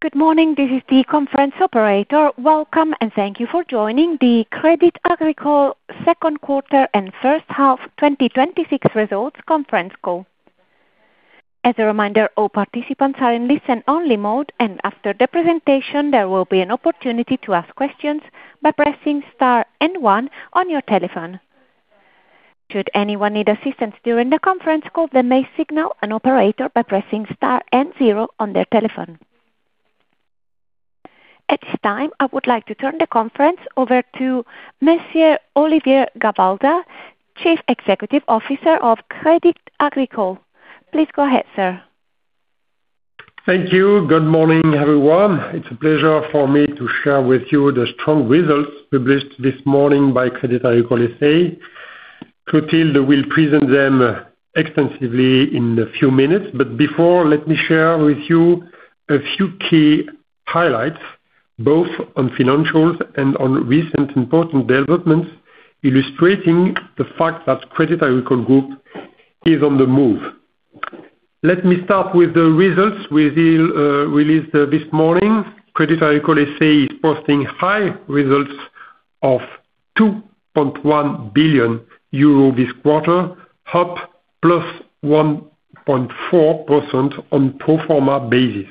Good morning. This is the conference operator. Welcome, and thank you for joining the Crédit Agricole second quarter and first half 2026 results conference call. As a reminder, all participants are in listen-only mode, after the presentation, there will be an opportunity to ask questions by pressing star and one on your telephone. Should anyone need assistance during the conference call, they may signal an operator by pressing star and zero on their telephone. At this time, I would like to turn the conference over to Monsieur Olivier Gavalda, Chief Executive Officer of Crédit Agricole. Please go ahead, sir. Thank you. Good morning, everyone. It's a pleasure for me to share with you the strong results published this morning by Crédit Agricole S.A. Clotilde will present them extensively in a few minutes. Before, let me share with you a few key highlights, both on financials and on recent important developments, illustrating the fact that Crédit Agricole Group is on the move. Let me start with the results we released this morning. Crédit Agricole S.A. is posting high results of 2.1 billion euro this quarter, up +1.4% on pro forma basis.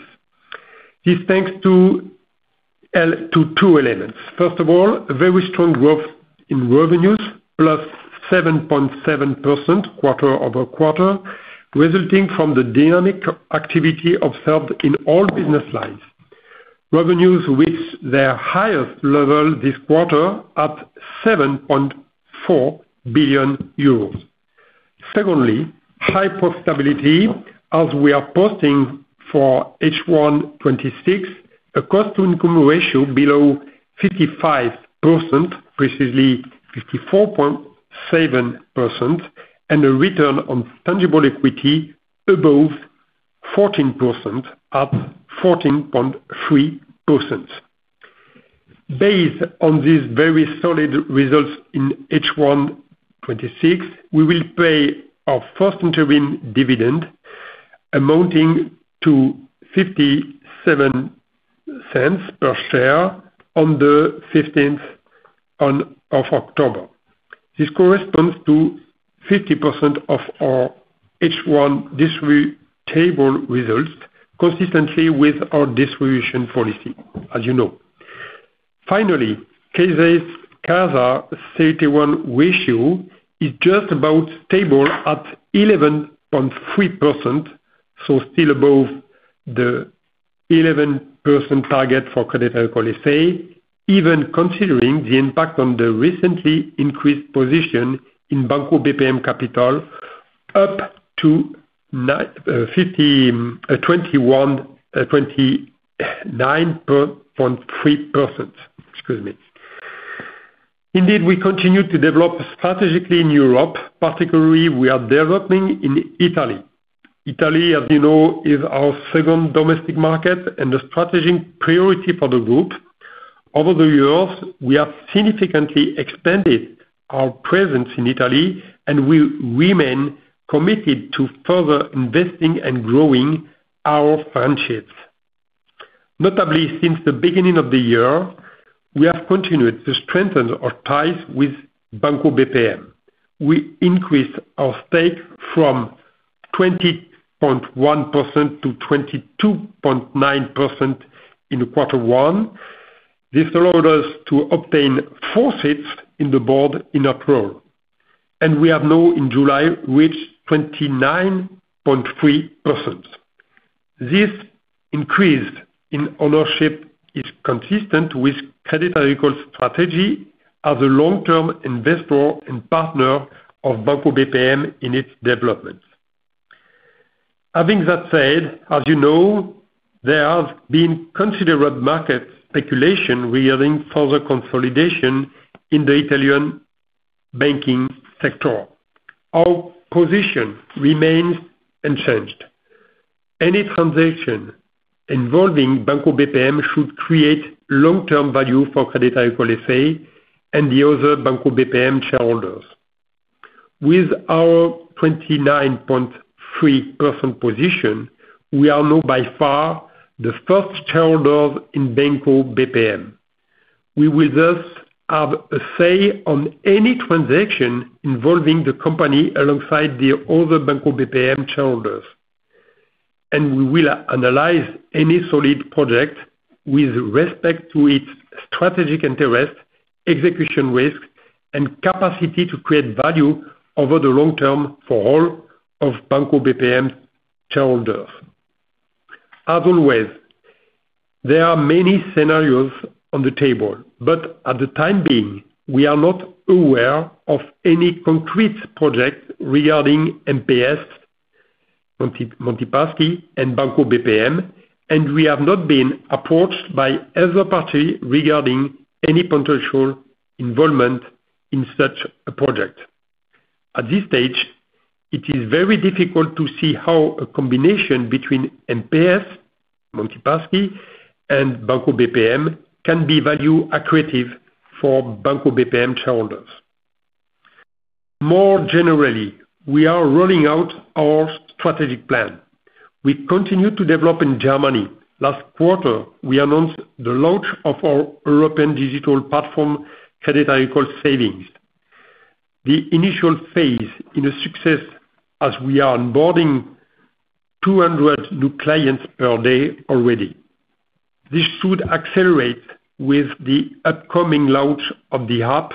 It's thanks to two elements. First of all, very strong growth in revenues, +7.7% quarter-over-quarter, resulting from the dynamic activity observed in all business lines. Revenues reached their highest level this quarter at 7.4 billion euros. Secondly, high profitability, as we are posting for H1 2026, a cost-to-income ratio below 55%, precisely 54.7%, and a return on tangible equity above 14% at 14.3%. Based on these very solid results in H1 2026, we will pay our first interim dividend amounting to 0.57 per share on the 15th of October. This corresponds to 50% of our H1 distributable results, consistency with our distribution policy, as you know. Finally, CASA CET1 ratio is just about stable at 11.3%, still above the 11% target for Crédit Agricole S.A., even considering the impact on the recently increased position in Banco BPM capital up to 29.3%. Excuse me. Indeed, we continue to develop strategically in Europe, particularly we are developing in Italy. Italy, as you know, is our second domestic market and a strategic priority for the group. Over the years, we have significantly expanded our presence in Italy, we remain committed to further investing and growing our franchise. Notably, since the beginning of the year, we have continued to strengthen our ties with Banco BPM. We increased our stake from 20.1%-22.9% in Q1. This allowed us to obtain four seats in the board in April, we have now, in July, reached 29.3%. This increase in ownership is consistent with Crédit Agricole's strategy as a long-term investor and partner of Banco BPM in its development. That said, as you know, there has been considerable market speculation regarding further consolidation in the Italian banking sector. Our position remains unchanged. Any transaction involving Banco BPM should create long-term value for Crédit Agricole S.A. and the other Banco BPM shareholders. With our 29.3% position, we are now by far the first shareholders in Banco BPM. We will thus have a say on any transaction involving the company alongside the other Banco BPM shareholders. We will analyze any solid project with respect to its strategic interest, execution risk, and capacity to create value over the long term for all of Banco BPM shareholders. As always, there are many scenarios on the table, but at the time being, we are not aware of any concrete project regarding MPS, Monte Paschi, and Banco BPM. We have not been approached by either party regarding any potential involvement in such a project. At this stage, it is very difficult to see how a combination between MPS, Monte Paschi, and Banco BPM can be value accretive for Banco BPM shareholders. More generally, we are rolling out our strategic plan. We continue to develop in Germany. Last quarter, we announced the launch of our European digital platform, Crédit Agricole Savings. The initial phase is a success as we are onboarding 200 new clients per day already. This should accelerate with the upcoming launch of the app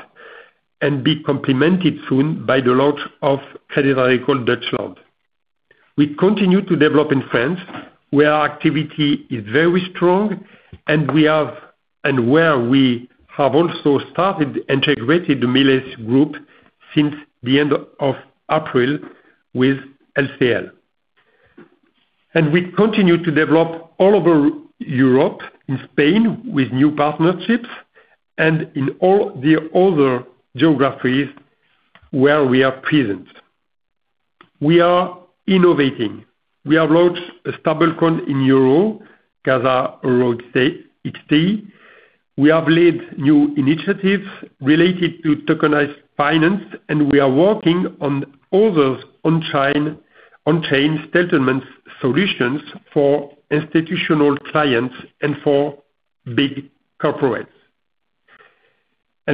and be complemented soon by the launch of Crédit Agricole Deutschland. We continue to develop in France, where activity is very strong, and where we have also started integrating the Milleis Group since the end of April with LCL. We continue to develop all over Europe, in Spain with new partnerships and in all the other geographies where we are present. We are innovating. We have launched a stablecoin in EUR, CASA EURXT. We have led new initiatives related to tokenized finance. We are working on other on-chain settlement solutions for institutional clients and for big corporates.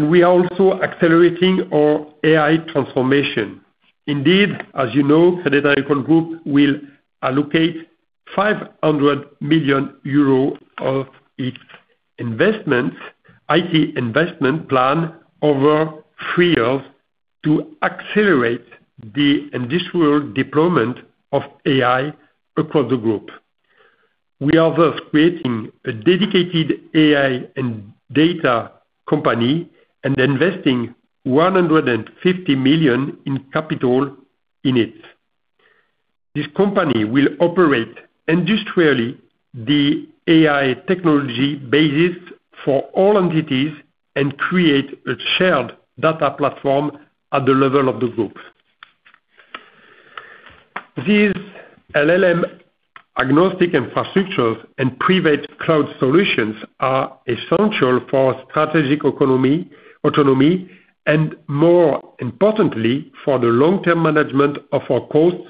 We are also accelerating our AI transformation. Indeed, as you know, Crédit Agricole Group will allocate 500 million euros of its IT investment plan over three years to accelerate the industrial deployment of AI across the group. We are thus creating a dedicated AI and data company and investing 150 million in capital in it. This company will operate industrially the AI technology basis for all entities and create a shared data platform at the level of the group. These LLM-agnostic infrastructures and private cloud solutions are essential for strategic autonomy. More importantly, for the long-term management of our costs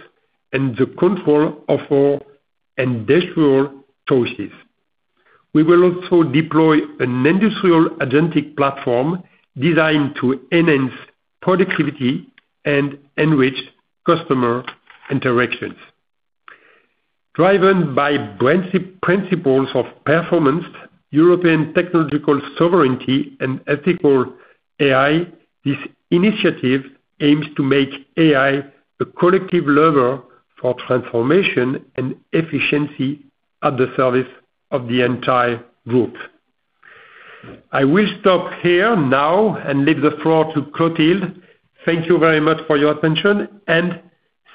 and the control of our industrial choices. We will also deploy an industrial agentic platform designed to enhance productivity and enrich customer interactions. Driven by principles of performance, European technological sovereignty, and ethical AI, this initiative aims to make AI a collective lever for transformation and efficiency at the service of the entire group. I will stop here now and leave the floor to Clotilde. Thank you very much for your attention.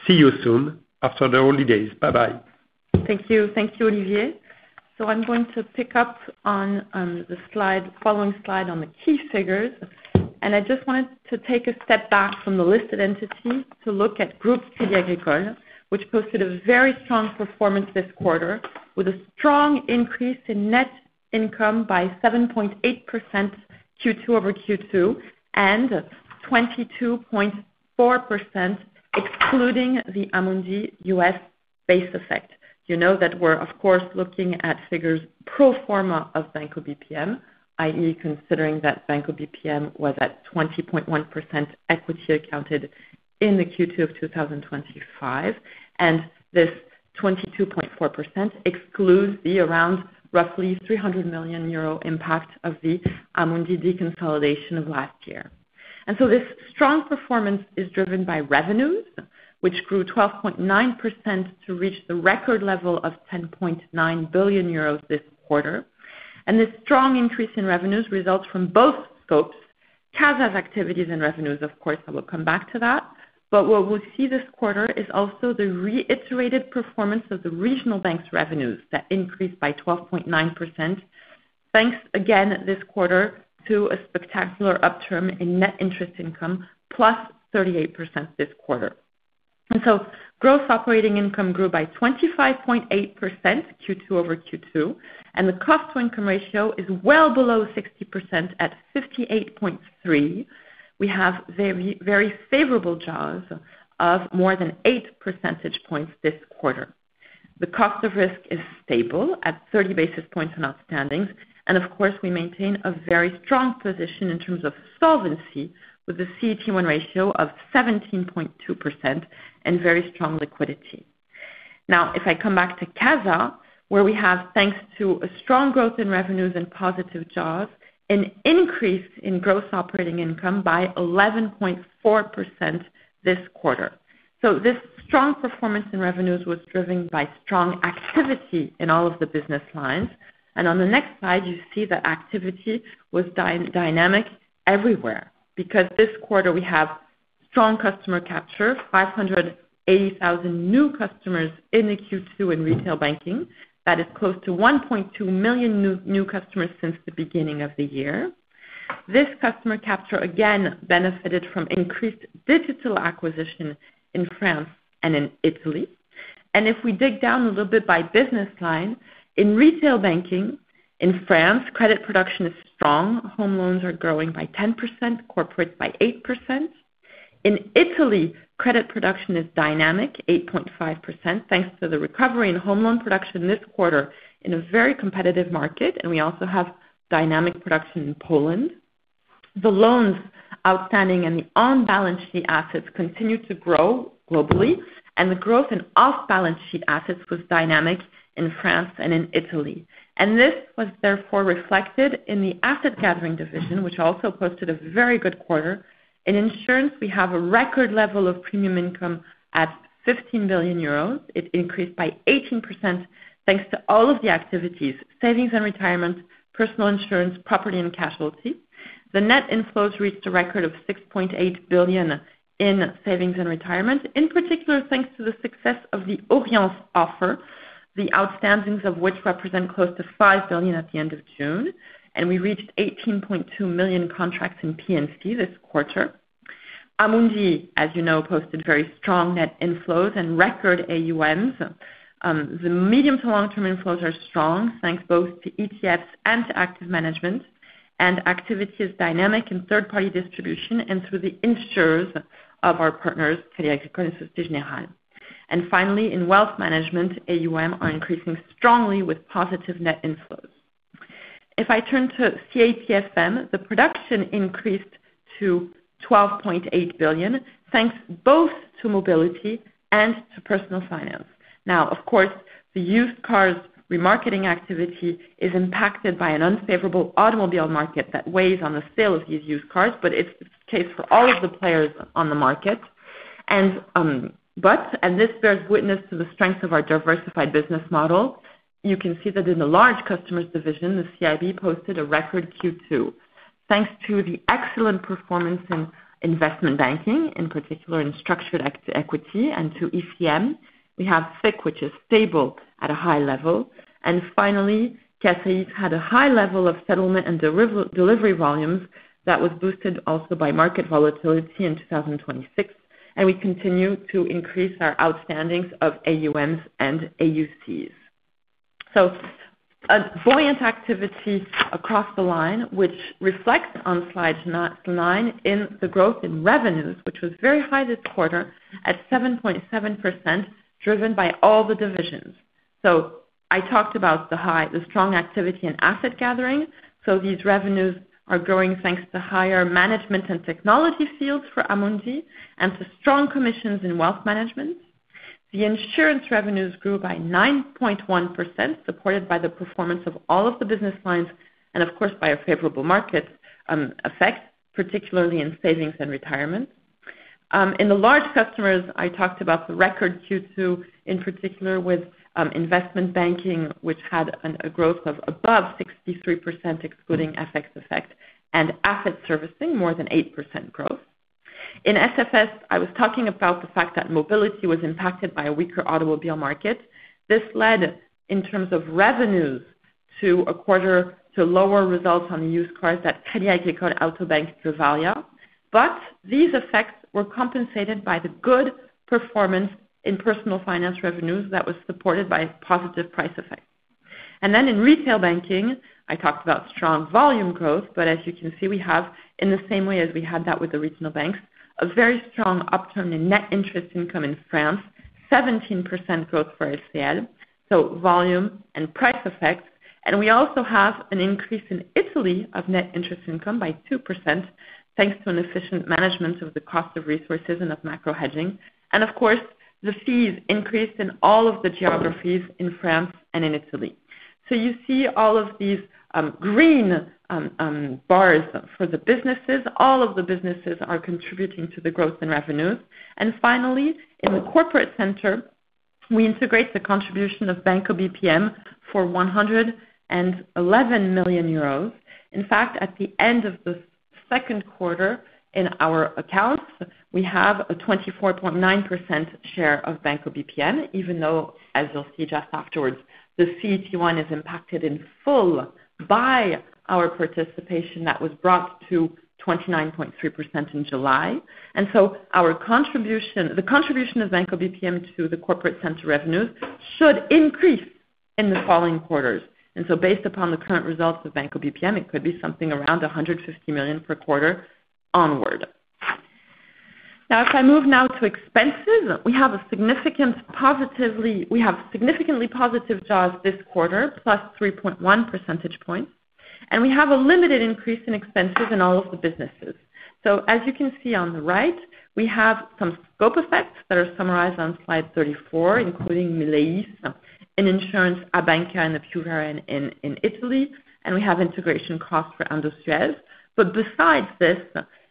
See you soon after the holidays. Bye-bye. Thank you, Olivier. I'm going to pick up on the following slide on the key figures. I just wanted to take a step back from the listed entity to look at Crédit Agricole Group, which posted a very strong performance this quarter with a strong increase in net income by 7.8% Q2-over-Q2 and 22.4%, excluding the Amundi U.S. base effect. You know that we are, of course, looking at figures pro forma of Banco BPM, i.e., considering that Banco BPM was at 20.1% equity accounted in the Q2 of 2025, and this 22.4% excludes the around roughly 300 million euro impact of the Amundi deconsolidation of last year. This strong performance is driven by revenues, which grew 12.9% to reach the record level of 10.9 billion euros this quarter. This strong increase in revenues results from both scopes, CASA's activities and revenues, of course, I will come back to that. What we will see this quarter is also the reiterated performance of the regional bank's revenues that increased by 12.9%. Thanks again this quarter to a spectacular upturn in net interest income, +38% this quarter. Growth operating income grew by 25.8% Q2-over-Q2, and the cost-to-income ratio is well below 60% at 58.3%. We have very favorable jaws of more than 8 percentage points this quarter. The cost of risk is stable at 30 basis points on outstandings, and of course, we maintain a very strong position in terms of solvency with a CET1 ratio of 17.2% and very strong liquidity. Now, if I come back to CASA, where we have, thanks to a strong growth in revenues and positive jaws, an increase in gross operating income by 11.4% this quarter. This strong performance in revenues was driven by strong activity in all of the business lines. On the next slide, you see that activity was dynamic everywhere, because this quarter we have strong customer capture, 580,000 new customers in the Q2 in retail banking. That is close to 1.2 million new customers since the beginning of the year. This customer capture again benefited from increased digital acquisition in France and in Italy. If we dig down a little bit by business line, in retail banking in France, credit production is strong. Home loans are growing by 10%, corporate by 8%. In Italy, credit production is dynamic, 8.5%, thanks to the recovery in home loan production this quarter in a very competitive market, we also have dynamic production in Poland. The loans outstanding and the on-balance sheet assets continue to grow globally, the growth in off-balance sheet assets was dynamic in France and in Italy. This was therefore reflected in the asset gathering division, which also posted a very good quarter. In insurance, we have a record level of premium income at 15 billion euros. It increased by 18% thanks to all of the activities, savings and retirement, personal insurance, property and casualty. The net inflows reached a record of 6.8 billion in savings and retirement, in particular, thanks to the success of the Oriance offer, the outstandings of which represent close to 5 billion at the end of June, and we reached 18.2 million contracts in P&C this quarter. Amundi, as you know, posted very strong net inflows and record AUMs. The medium to long-term inflows are strong, thanks both to ETFs and to active management, and activity is dynamic in third-party distribution and through the insurers of our partners, Crédit Agricole and Crédit General. Finally, in wealth management, AUM are increasing strongly with positive net inflows. If I turn to CATFM, the production increased to 12.8 billion, thanks both to mobility and to personal finance. Of course, the used cars remarketing activity is impacted by an unfavorable automobile market that weighs on the sale of these used cars, but it's the case for all of the players on the market. This bears witness to the strength of our diversified business model. You can see that in the large customers division, the CIB posted a record Q2. Thanks to the excellent performance in investment banking, in particular in structured equity and to ECM. We have FIC, which is stable at a high level. Finally, CACEIS had a high level of settlement and delivery volumes that was boosted also by market volatility in 2026, and we continue to increase our outstandings of AUMs and AUCs. A buoyant activity across the line, which reflects on slide nine in the growth in revenues, which was very high this quarter at 7.7%, driven by all the divisions. I talked about the strong activity in asset gathering. These revenues are growing thanks to higher management and technology fees for Amundi and to strong commissions in wealth management. The insurance revenues grew by 9.1%, supported by the performance of all of the business lines, and of course, by a favorable market effect, particularly in savings and retirement. In the large customers, I talked about the record Q2, in particular with investment banking, which had a growth of above 63%, excluding FX effect, and asset servicing, more than 8% growth. In SFS, I was talking about the fact that mobility was impacted by a weaker automobile market. This led, in terms of revenues to a quarter to lower results on used cars at Crédit Agricole Auto Bank Drivalia. These effects were compensated by the good performance in personal finance revenues that was supported by a positive price effect. In retail banking, I talked about strong volume growth, but as you can see, we have, in the same way as we had that with the regional banks, a very strong upturn in net interest income in France, 17% growth for LCL, so volume and price effects. We also have an increase in Italy of net interest income by 2% thanks to an efficient management of the cost of resources and of macro hedging. Of course, the fees increased in all of the geographies in France and in Italy. You see all of these green bars for the businesses. All of the businesses are contributing to the growth in revenues. In the corporate center, we integrate the contribution of Banco BPM for 111 million euros. In fact, at the end of the second quarter in our accounts, we have a 24.9% share of Banco BPM even though, as you'll see just afterwards, the CET1 is impacted in full by our participation that was brought to 29.3% in July. The contribution of Banco BPM to the corporate center revenues should increase in the following quarters. Based upon the current results of Banco BPM, it could be something around 150 million per quarter onward. If I move now to expenses, we have a significantly positive jaws this quarter, +3.1 percentage points. We have a limited increase in expenses in all of the businesses. As you can see on the right, we have some scope effects that are summarized on slide 34, including Milleis in insurance, Abanca, and Vera Assicurazioni in Italy, and we have integration costs for Industriels. Besides this,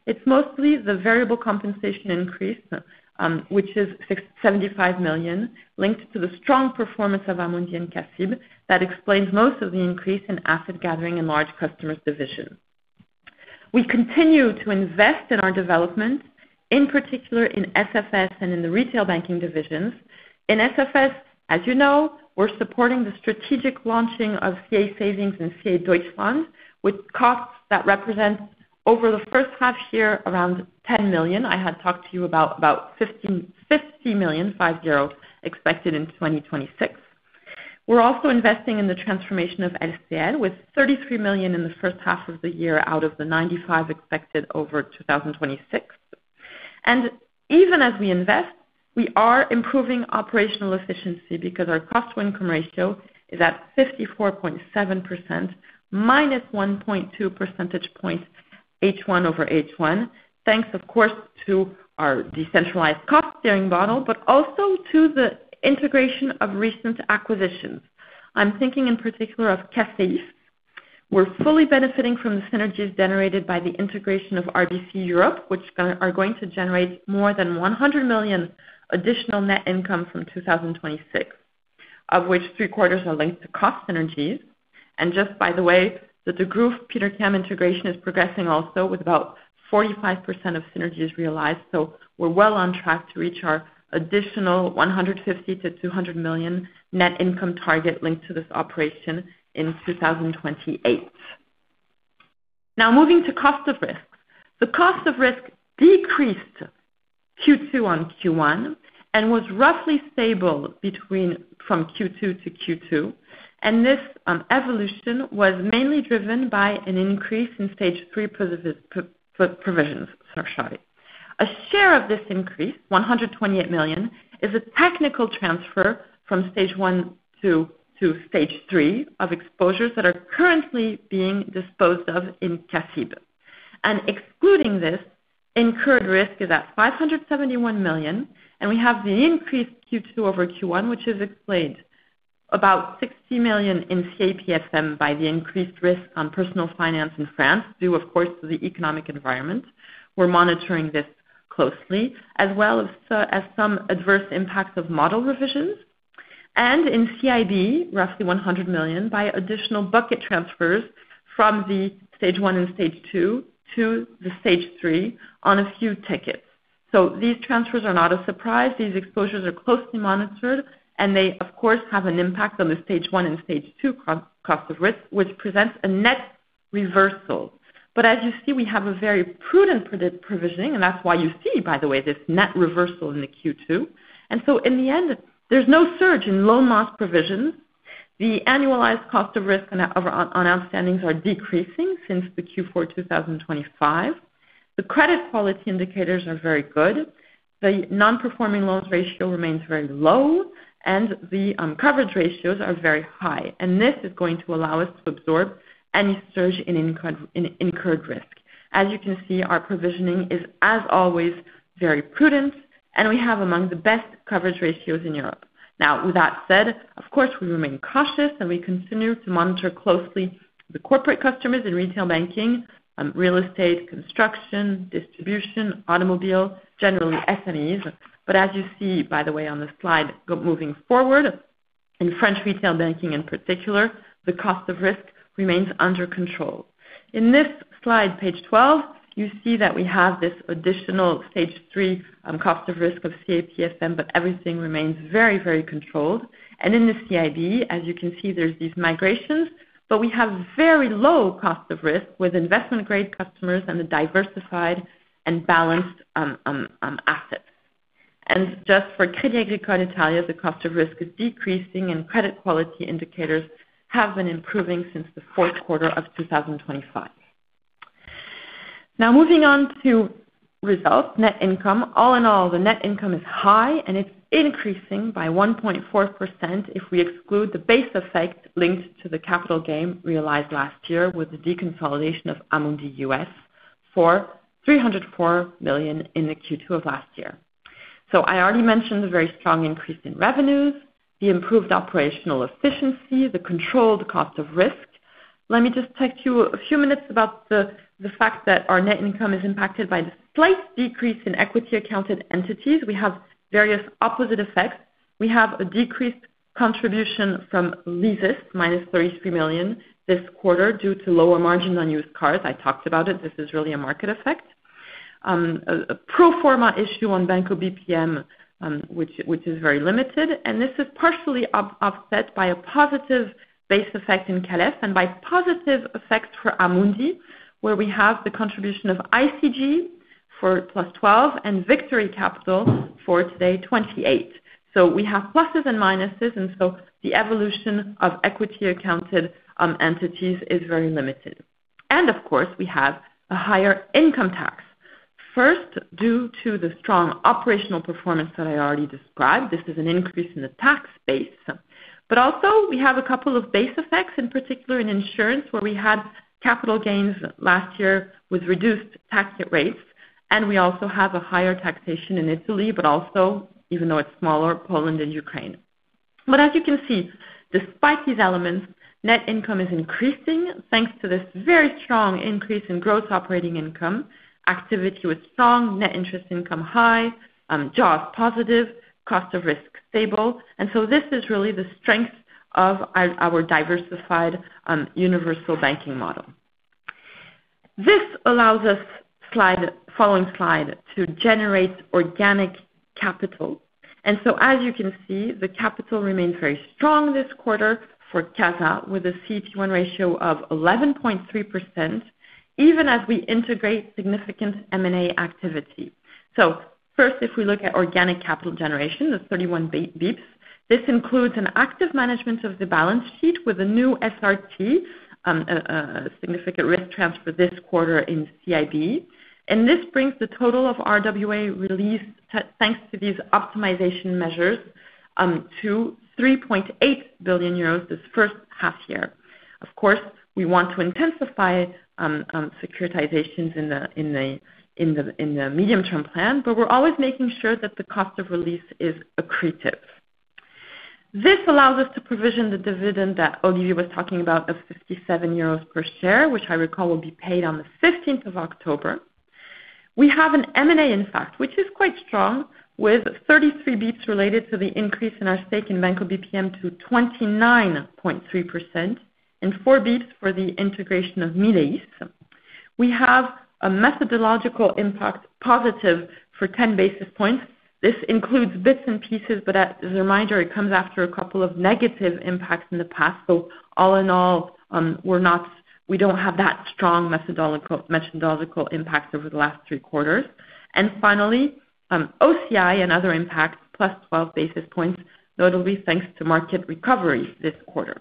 it's mostly the variable compensation increase, which is 75 million, linked to the strong performance of Amundi and CA-CIB that explains most of the increase in asset gathering in large customers division. We continue to invest in our development, in particular in SFS and in the retail banking divisions. In SFS, as you know, we're supporting the strategic launching of CA Savings and CA Deutschland, with costs that represent Over the H1, around 10 million. I had talked to you about 50 million expected in 2026. We're also investing in the transformation of LCL with 33 million in the H1 of the year out of the 95 expected over 2026. Even as we invest, we are improving operational efficiency because our cost to income ratio is at 54.7%, -1.2 percentage points H1 over H1. Thanks, of course, to our decentralized cost-sharing model, but also to the integration of recent acquisitions. I'm thinking in particular of CACEIS. We're fully benefiting from the synergies generated by the integration of RBC Europe, which are going to generate more than 100 million additional net income from 2026, of which three-quarters are linked to cost synergies. Just by the way, the Degroof Petercam integration is progressing also with about 45% of synergies realized. We're well on track to reach our additional 150 million-200 million net income target linked to this operation in 2028. Moving to cost of risks. The cost of risk decreased Q2 on Q1 and was roughly stable from Q2 to Q2, this evolution was mainly driven by an increase in Stage 3 provisions, sorry. A share of this increase, 128 million, is a technical transfer from Stage 1 to Stage 3 of exposures that are currently being disposed of in CA-CIB. Excluding this, incurred risk is at 571 million, we have the increased Q2 over Q1, which is explained about 60 million in CA Consumer Finance by the increased risk on personal finance in France, due of course to the economic environment. We're monitoring this closely, as well as some adverse impacts of model revisions. In CIB, roughly 100 million by additional bucket transfers from the Stage 1 and Stage 2 to the Stage 3 on a few tickets. These transfers are not a surprise. These exposures are closely monitored, and they, of course, have an impact on the Stage 1 and Stage 2 cost of risk, which presents a net reversal. But as you see, we have a very prudent provisioning, and that's why you see, by the way, this net reversal in the Q2. There's no surge in low loss provisions. The annualized cost of risk on outstandings are decreasing since the Q4 2025. The credit quality indicators are very good. The non-performing loans ratio remains very low, and the coverage ratios are very high, and this is going to allow us to absorb any surge in incurred risk. As you can see, our provisioning is, as always, very prudent, and we have among the best coverage ratios in Europe. Now, with that said, of course, we remain cautious, and we continue to monitor closely the corporate customers in retail banking, real estate, construction, distribution, automobile, generally SMEs. But as you see, by the way, on the slide, moving forward, in French retail banking in particular, the cost of risk remains under control. In this slide, page 12, you see that we have this additional Stage 3, cost of risk of CA-CF, but everything remains very, very controlled. In the CIB, as you can see, there's these migrations, but we have very low cost of risk with investment-grade customers and a diversified and balanced assets. Just for Crédit Agricole Italia, the cost of risk is decreasing, and credit quality indicators have been improving since the fourth quarter of 2025. Now moving on to results, net income. All in all, the net income is high, and it's increasing by 1.4% if we exclude the base effect linked to the capital gain realized last year with the deconsolidation of Amundi U.S. for 304 million in the Q2 of last year. I already mentioned the very strong increase in revenues, the improved operational efficiency, the controlled cost of risk. Let me just take a few minutes about the fact that our net income is impacted by the slight decrease in equity accounted entities. We have various opposite effects. We have a decreased contribution from leases, minus 33 million this quarter due to lower margin on used cars. I talked about it. This is really a market effect. A pro forma issue on Banco BPM, which is very limited, and this is partially offset by a positive base effect in CA Leasing & Factoring and by positive effects for Amundi, where we have the contribution of ICG for +12 and Victory Capital for today, 28. So we have pluses and minuses, and so the evolution of equity accounted entities is very limited. Of course, we have a higher income tax. First, due to the strong operational performance that I already described. This is an increase in the tax base. But also we have a couple of base effects, in particular in insurance, where we had capital gains last year with reduced tax rates, and we also have a higher taxation in Italy, but also, even though it's smaller, Poland and Ukraine. As you can see, despite these elements, net income is increasing thanks to this very strong increase in gross operating income, activity was strong, net interest income high, jaws positive, cost of risk stable. This is really the strength of our diversified, universal banking model. This allows us, following slide, to generate organic Capital. As you can see, the capital remains very strong this quarter for CASA, with a CET1 ratio of 11.3%, even as we integrate significant M&A activity. First, if we look at organic capital generation, that is 31 basis points. This includes an active management of the balance sheet with a new SRT, a significant risk transfer this quarter in CIB. This brings the total of RWA release, thanks to these optimization measures, to 3.8 billion euros this H1. Of course, we want to intensify securitizations in the medium-term plan, but we are always making sure that the cost of release is accretive. This allows us to provision the dividend that Olivier was talking about of 57 euros per share, which I recall will be paid on the 15th of October. We have an M&A, in fact, which is quite strong, with 33 basis points related to the increase in our stake in Banco BPM to 29.3% and four basis points for the integration of Milleis. We have a methodological impact positive for 10 basis points. This includes bits and pieces, but as a reminder, it comes after a couple of negative impacts in the past. So all in all, we do not have that strong methodological impact over the last three quarters. Finally, OCI and other impacts +12 basis points, notably thanks to market recovery this quarter.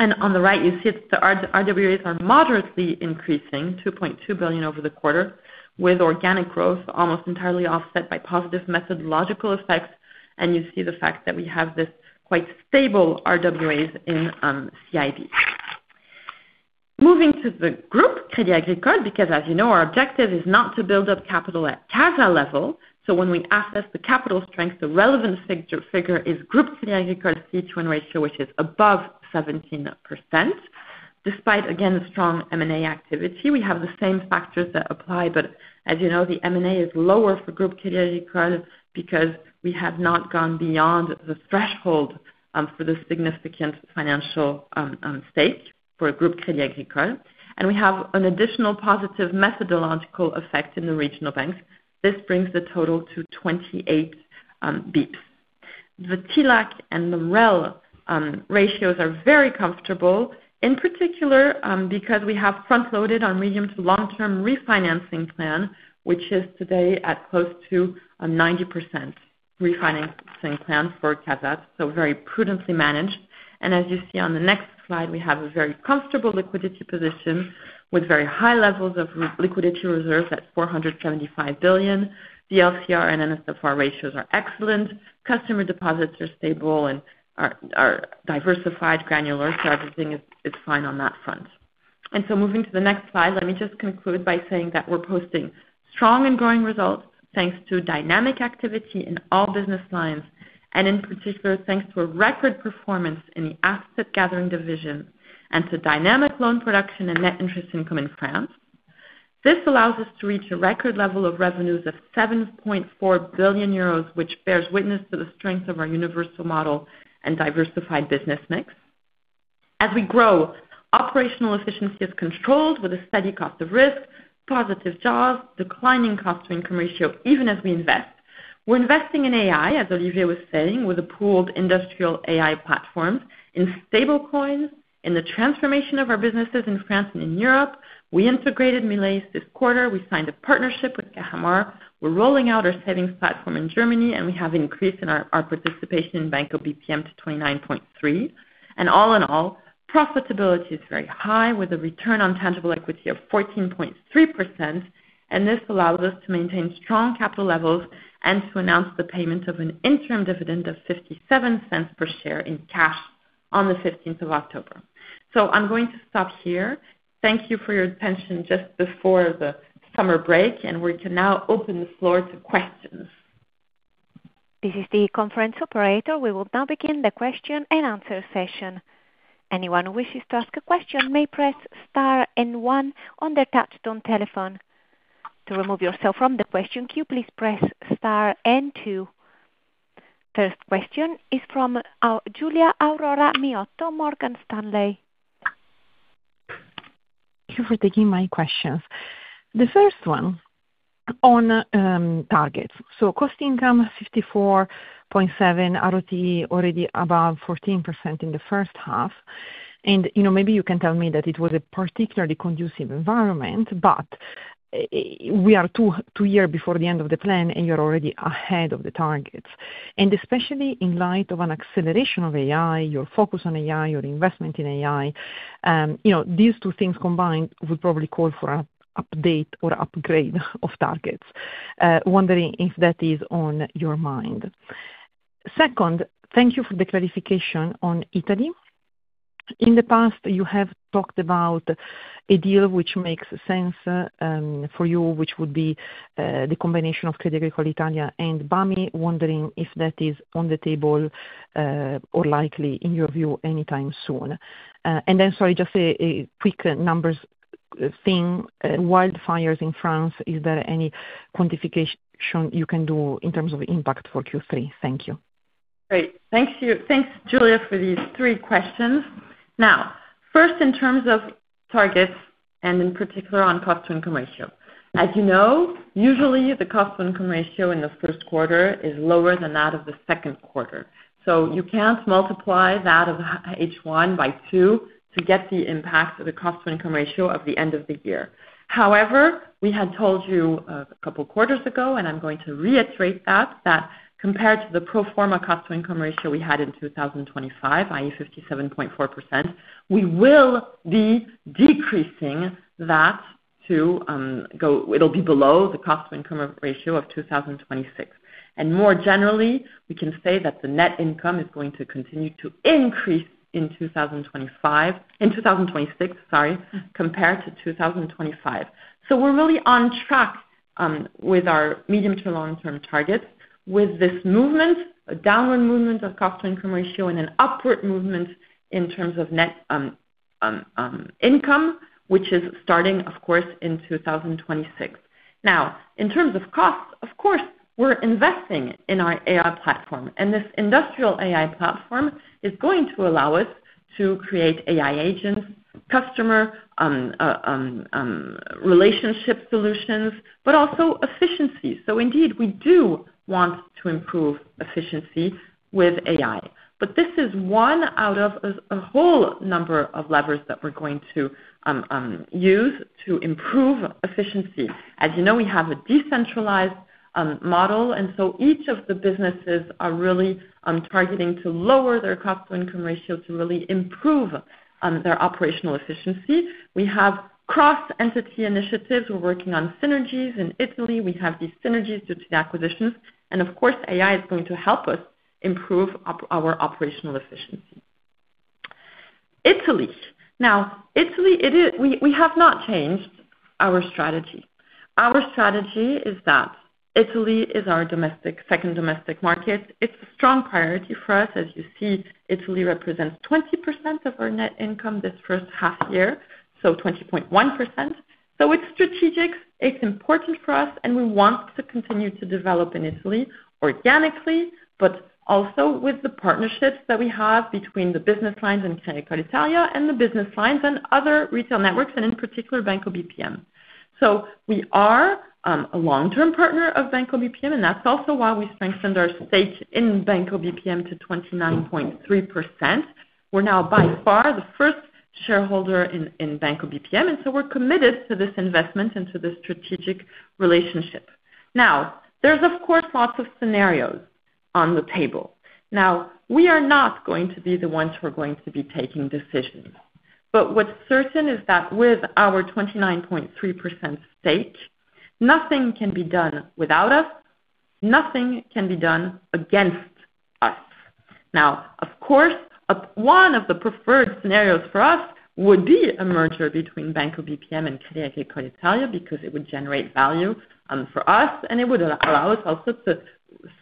On the right you see the RWAs are moderately increasing to 2.2 billion over the quarter, with organic growth almost entirely offset by positive methodological effects. You see the fact that we have this quite stable RWAs in CIB. Moving to the Crédit Agricole Group, because as you know, our objective is not to build up capital at CASA level. So when we assess the capital strength, the relevant figure is Crédit Agricole Group CET1 ratio, which is above 17%, despite, again, strong M&A activity. We have the same factors that apply. But as you know, the M&A is lower for Crédit Agricole Group because we have not gone beyond the threshold for the significant financial stake for Crédit Agricole Group, and we have an additional positive methodological effect in the regional banks. This brings the total to 28 basis points. The TLAC and MREL ratios are very comfortable, in particular because we have front-loaded our medium to long-term refinancing plan, which is today at close to 90% refinancing plan for CASA, so very prudently managed. As you see on the next slide, we have a very comfortable liquidity position with very high levels of liquidity reserves at 475 billion. The LCR and NSFR ratios are excellent, customer deposits are stable and are diversified, granular, so everything is fine on that front. Moving to the next slide, let me just conclude by saying that we are posting strong and growing results thanks to dynamic activity in all business lines, and in particular, thanks to a record performance in the asset gathering division and to dynamic loan production and net interest income in France. This allows us to reach a record level of revenues of 7.4 billion euros, which bears witness to the strength of our universal model and diversified business mix. As we grow, operational efficiency is controlled with a steady cost of risk, positive jaws, declining cost to income ratio even as we invest. We are investing in AI, as Olivier was saying, with a pooled industrial AI platform in stablecoin, in the transformation of our businesses in France and in Europe. We integrated Milleis this quarter. We signed a partnership with Cajamar. We are rolling out our savings platform in Germany, and we have increase in our participation in Banco BPM to 29.3%. All in all, profitability is very high with a return on tangible equity of 14.3%. This allows us to maintain strong capital levels and to announce the payment of an interim dividend of 0.57 per share in cash on the 15th of October. I am going to stop here. Thank you for your attention just before the summer break, and we can now open the floor to questions. This is the conference operator. We will now begin the question-and-answer session. Anyone who wishes to ask a question may press star one on their touch-tone telephone. To remove yourself from the question queue, please press star two. First question is from Giulia Aurora Miotto, Morgan Stanley. Thank you for taking my questions. The first one on targets. Cost income 54.7%, ROTE already above 14% in the H1. Maybe you can tell me that it was a particularly conducive environment, but we are two years before the end of the plan, you are already ahead of the targets, especially in light of an acceleration of AI, your focus on AI, your investment in AI, these two things combined would probably call for an update or upgrade of targets. Wondering if that is on your mind. Second, thank you for the clarification on Italy. In the past, you have talked about a deal which makes sense for you, which would be the combination of Crédit Agricole Italia and BPM. Wondering if that is on the table or likely, in your view, anytime soon. Then, sorry, just a quick numbers thing. Wildfires in France, is there any quantification you can do in terms of impact for Q3? Thank you. Great. Thanks, Giulia, for these three questions. First, in terms of targets and in particular on cost-to-income ratio. As you know, usually, the cost-to-income ratio in the first quarter is lower than that of the second quarter. You can't multiply that of H1 by two to get the impact of the cost-to-income ratio of the end of the year. However, we had told you a couple of quarters ago, and I'm going to reiterate that compared to the pro forma cost-to-income ratio we had in 2025, i.e., 57.4%, we will be decreasing that, it'll be below the cost-to-income ratio of 2026. More generally, we can say that the net income is going to continue to increase in 2026, sorry, compared to 2025. We're really on track with our medium to long-term targets with this movement, a downward movement of cost-to-income ratio and an upward movement in terms of net income, which is starting, of course, in 2026. In terms of costs, of course, we're investing in our AI platform, and this industrial AI platform is going to allow us to create AI agents, customer relationship solutions, but also efficiency. Indeed, we do want to improve efficiency with AI. This is one out of a whole number of levers that we're going to use to improve efficiency. As you know, we have a decentralized model, and each of the businesses are really targeting to lower their cost-to-income ratio to really improve their operational efficiency. We have cross-entity initiatives. We're working on synergies. In Italy, we have these synergies due to the acquisitions. Of course, AI is going to help us improve our operational efficiency. Italy. Italy, we have not changed our strategy. Our strategy is that Italy is our second domestic market. It's a strong priority for us. As you see, Italy represents 20% of our net income this first half year, so 20.1%. It's strategic, it's important for us, and we want to continue to develop in Italy organically, but also with the partnerships that we have between the business lines and Crédit Agricole Italia, and the business lines and other retail networks, and in particular, Banco BPM. We are a long-term partner of Banco BPM, and that's also why we strengthened our stake in Banco BPM to 29.3%. We're now by far the first shareholder in Banco BPM, and we're committed to this investment and to this strategic relationship. There's of course, lots of scenarios on the table. We are not going to be the ones who are going to be taking decisions. What's certain is that with our 29.3% stake, nothing can be done without us. Nothing can be done against us. Of course, one of the preferred scenarios for us would be a merger between Banco BPM and Crédit Agricole Italia because it would generate value for us, and it would allow us also to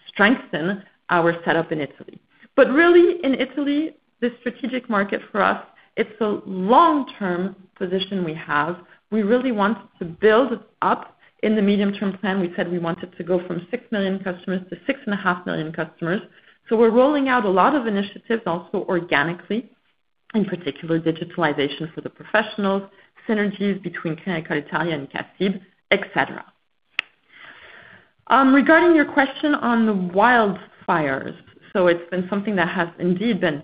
strengthen our setup in Italy. Really, in Italy, this strategic market for us, it's a long-term position we have. We really want to build up. In the medium-term plan, we said we wanted to go from 6 million customers to 6.5 million customers. We're rolling out a lot of initiatives also organically, in particular, digitalization for the professionals, synergies between Crédit Agricole Italia and CA-CIB, et cetera. Regarding your question on the wildfires, it's been something that has indeed been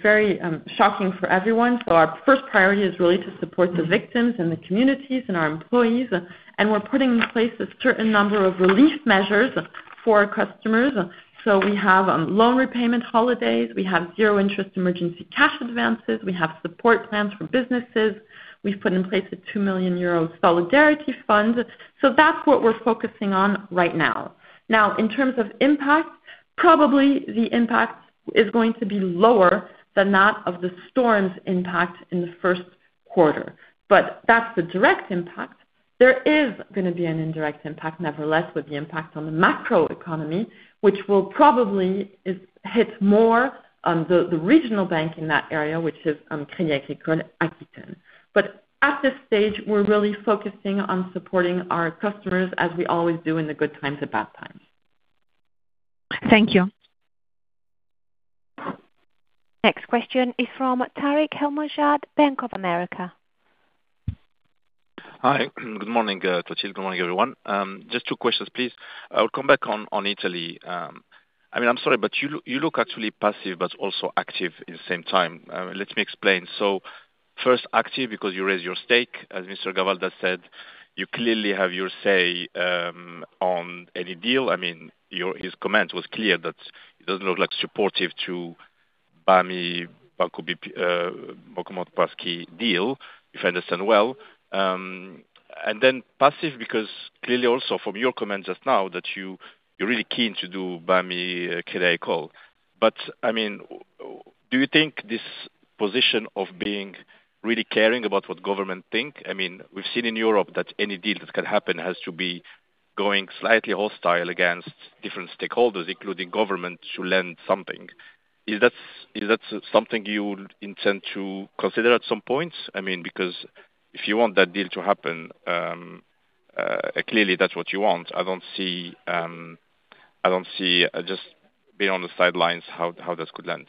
very shocking for everyone. Our first priority is really to support the victims and the communities and our employees, and we're putting in place a certain number of relief measures for our customers. We have loan repayment holidays. We have zero interest emergency cash advances. We have support plans for businesses. We've put in place a 2 million euro solidarity fund. That's what we're focusing on right now. In terms of impact, probably the impact is going to be lower than that of the storm's impact in the first quarter. That's the direct impact. There is going to be an indirect impact, nevertheless, with the impact on the macro economy, which will probably hit more the regional bank in that area, which is Crédit Agricole Aquitaine. At this stage, we're really focusing on supporting our customers as we always do in the good times and bad times. Thank you. Next question is from Tarik El Mejjad, Bank of America. Hi. Good morning, Tarik. Good morning, everyone. Just two questions, please. I'll come back on Italy. I'm sorry, you look actually passive but also active at the same time. Let me explain. First active because you raised your stake, as Mr. Gavalda said, you clearly have your say on any deal. His comment was clear that it doesn't look like supportive to BAMI Banco BPM deal, if I understand well. Passive because clearly also from your comment just now that you're really keen to do BAMI Crédit Agricole. Do you think this position of being really caring about what government think, we've seen in Europe that any deal that can happen has to be going slightly hostile against different stakeholders, including government, to lend something. Is that something you intend to consider at some point? If you want that deal to happen, clearly that's what you want. I don't see just being on the sidelines how this could land.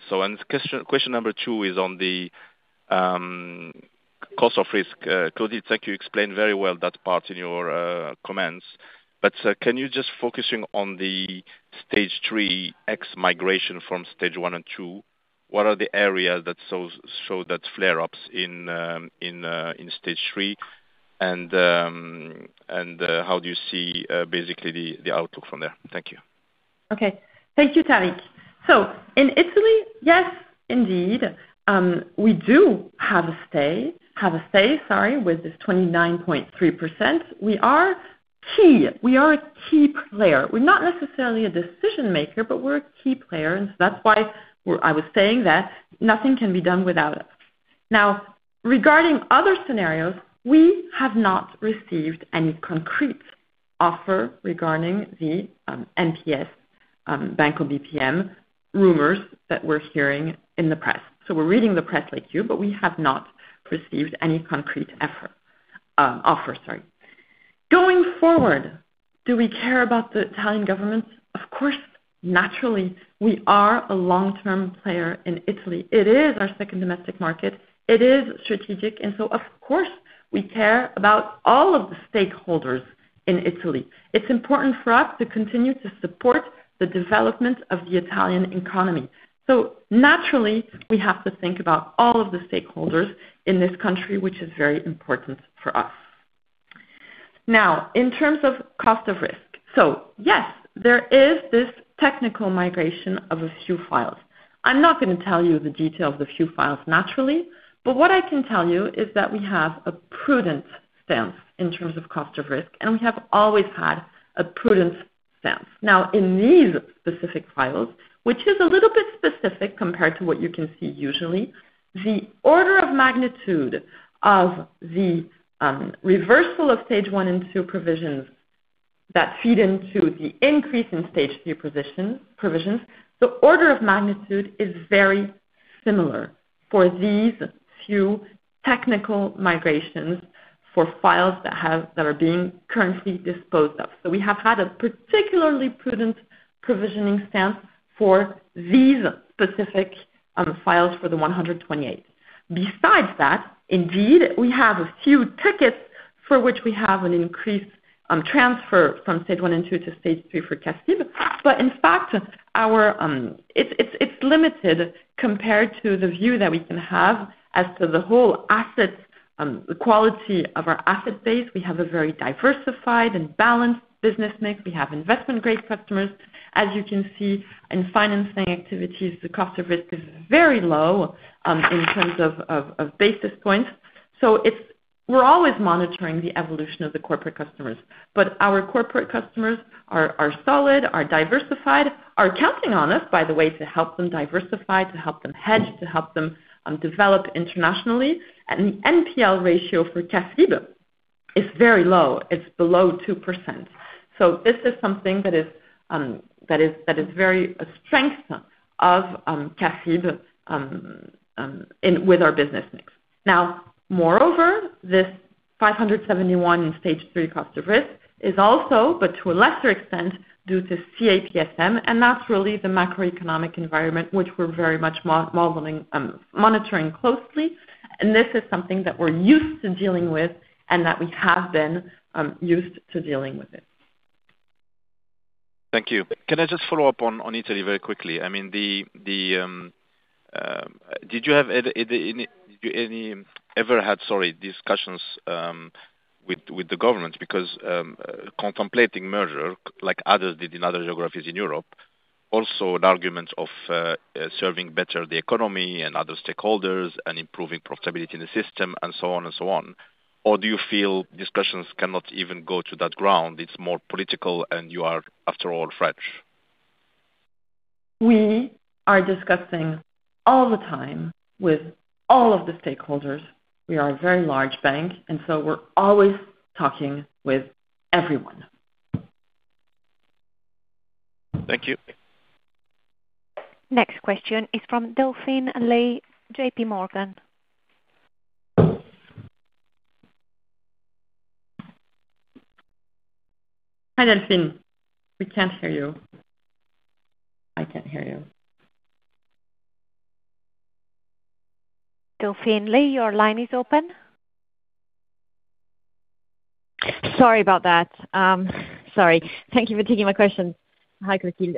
Question number two is on the cost of risk. Clotilde, I think you explained very well that part in your comments, but can you just focusing on the Stage 3 ex migration from Stage 1 and 2, what are the areas that show that flare-ups in Stage 3? How do you see basically the outlook from there? Thank you. Okay. Thank you, Tarik. In Italy, yes, indeed, we do have a say, with this 29.3%. We are a key player. We're not necessarily a decision-maker, but we're a key player, that's why I was saying that nothing can be done without us. Now, regarding other scenarios, we have not received any concrete offer regarding the MPS Banco BPM rumors that we're hearing in the press. We're reading the press like you, but we have not received any concrete offer. Going forward, do we care about the Italian government? Of course, naturally. We are a long-term player in Italy. It is our second domestic market. It is strategic, of course, we care about all of the stakeholders in Italy. It's important for us to continue to support the development of the Italian economy. Naturally, we have to think about all of the stakeholders in this country, which is very important for us. Now, in terms of cost of risk. Yes, there is this technical migration of a few files. I'm not going to tell you the details of the few files, naturally, but what I can tell you is that we have a prudent stance in terms of cost of risk, and we have always had a prudent stance. Now, in these specific files, which is a little bit specific compared to what you can see usually, the order of magnitude of the reversal of Stage 1 and 2 provisions that feed into the increase in Stage 3 provisions, the order of magnitude is very similar for these few technical migrations for files that are being currently disposed of. We have had a particularly prudent provisioning stance for these specific files for the 128. Besides that, indeed, we have a few tickets for which we have an increased transfer from Stage 1 and 2 to Stage 3 for CA-CIB. In fact, it's limited compared to the view that we can have as to the whole quality of our asset base. We have a very diversified and balanced business mix. We have investment-grade customers. As you can see in financing activities, the cost of risk is very low in terms of basis points. We're always monitoring the evolution of the corporate customers. Our corporate customers are solid, are diversified, are counting on us, by the way, to help them diversify, to help them hedge, to help them develop internationally. And the NPL ratio for CA-CIB is very low. It's below 2%. This is something that is very a strength of CA-CIB with our business mix. Now, moreover, this 571 in Stage 3 cost of risk is also, but to a lesser extent, due to CA-CF, and that's really the macroeconomic environment, which we're very much monitoring closely, and this is something that we're used to dealing with, and that we have been used to dealing with it. Thank you. Can I just follow up on Italy very quickly? Have you ever had, sorry, discussions with the government because contemplating merger, like others did in other geographies in Europe, also an argument of serving better the economy and other stakeholders and improving profitability in the system, and so on? Or do you feel discussions cannot even go to that ground? It's more political, and you are, after all, French. We are discussing all the time with all of the stakeholders. We are a very large bank, and so we're always talking with everyone. Thank you. Next question is from Delphine Lee, JPMorgan. Hi, Delphine. We can't hear you. I can't hear you. Delphine Lee, your line is open. Sorry about that. Sorry. Thank you for taking my question. Hi, Clotilde.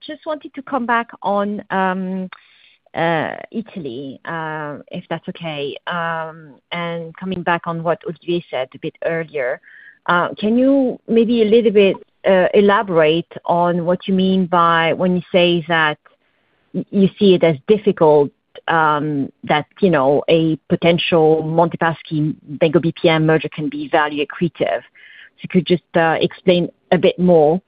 Just wanted to come back on Italy, if that's okay. Coming back on what Olivier said a bit earlier, can you maybe a little bit elaborate on what you mean by when you say that you see it as difficult that a potential Monte Paschi, Banco BPM merger can be value accretive? If you could just explain a bit more.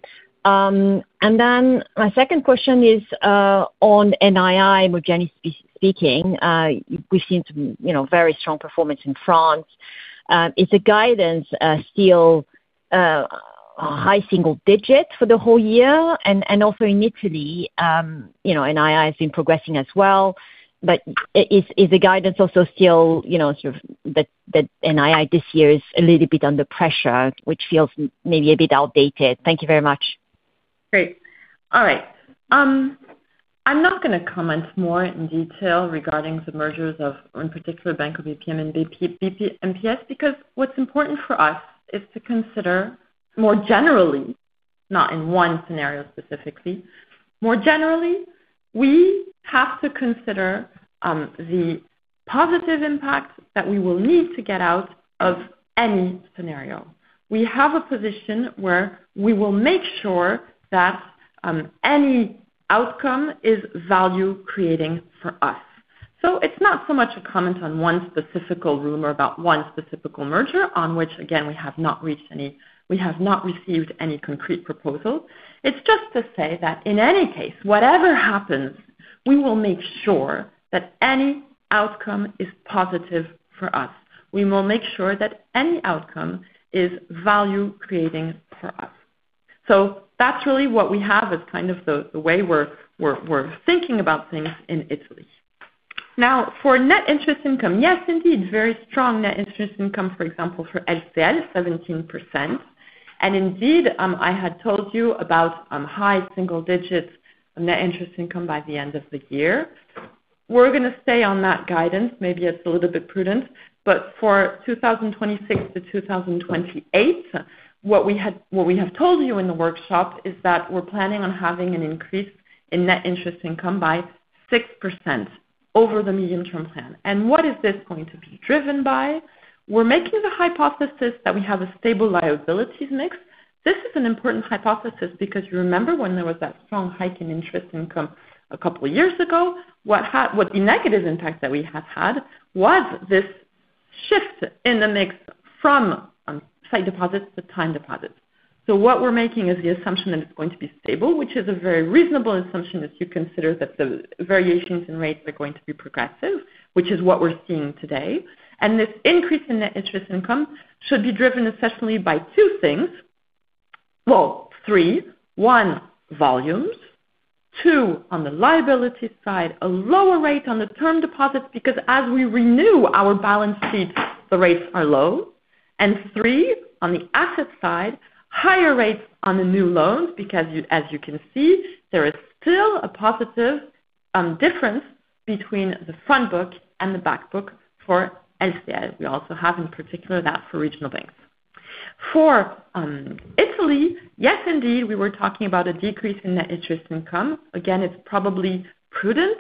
My second question is on NII, more generally speaking. We've seen some very strong performance in France. Is the guidance still a high single digit for the whole year, and also in Italy, NII has been progressing as well? Is the guidance also still that NII this year is a little bit under pressure, which feels maybe a bit outdated? Thank you very much. Great. All right. I'm not going to comment more in detail regarding the mergers of, in particular, Banco BPM and MPS because what's important for us is to consider more generally, not in one scenario specifically. More generally, we have to consider the positive impacts that we will need to get out of any scenario. We have a position where we will make sure that any outcome is value-creating for us. It's not so much a comment on one specific rumor about one specific merger, on which, again, we have not received any concrete proposal. It's just to say that in any case, whatever happens, we will make sure that any outcome is positive for us. We will make sure that any outcome is value-creating for us. That's really what we have as kind of the way we're thinking about things in Italy. Now, for net interest income, yes, indeed, very strong net interest income, for example, for LCL 17%. Indeed, I had told you about high single digits net interest income by the end of the year. We're going to stay on that guidance. Maybe it's a little bit prudent, but for 2026-2028, what we have told you in the workshop is that we're planning on having an increase in net interest income by 6% over the medium-term plan. What is this going to be driven by? We're making the hypothesis that we have a stable liabilities mix. This is an important hypothesis because you remember when there was that strong hike in interest income a couple of years ago, what negative impact that we have had was this shift in the mix from site deposits to time deposits. What we're making is the assumption that it's going to be stable, which is a very reasonable assumption if you consider that the variations in rates are going to be progressive, which is what we're seeing today. This increase in net interest income should be driven essentially by two things. Well, three. One, volumes. Two, on the liability side, a lower rate on the term deposits, because as we renew our balance sheet, the rates are low. Three, on the asset side, higher rates on the new loans, because as you can see, there is still a positive difference between the front book and the back book for LCL. We also have, in particular, that for regional banks. For Italy, yes, indeed, we were talking about a decrease in net interest income. Again, it's probably prudent.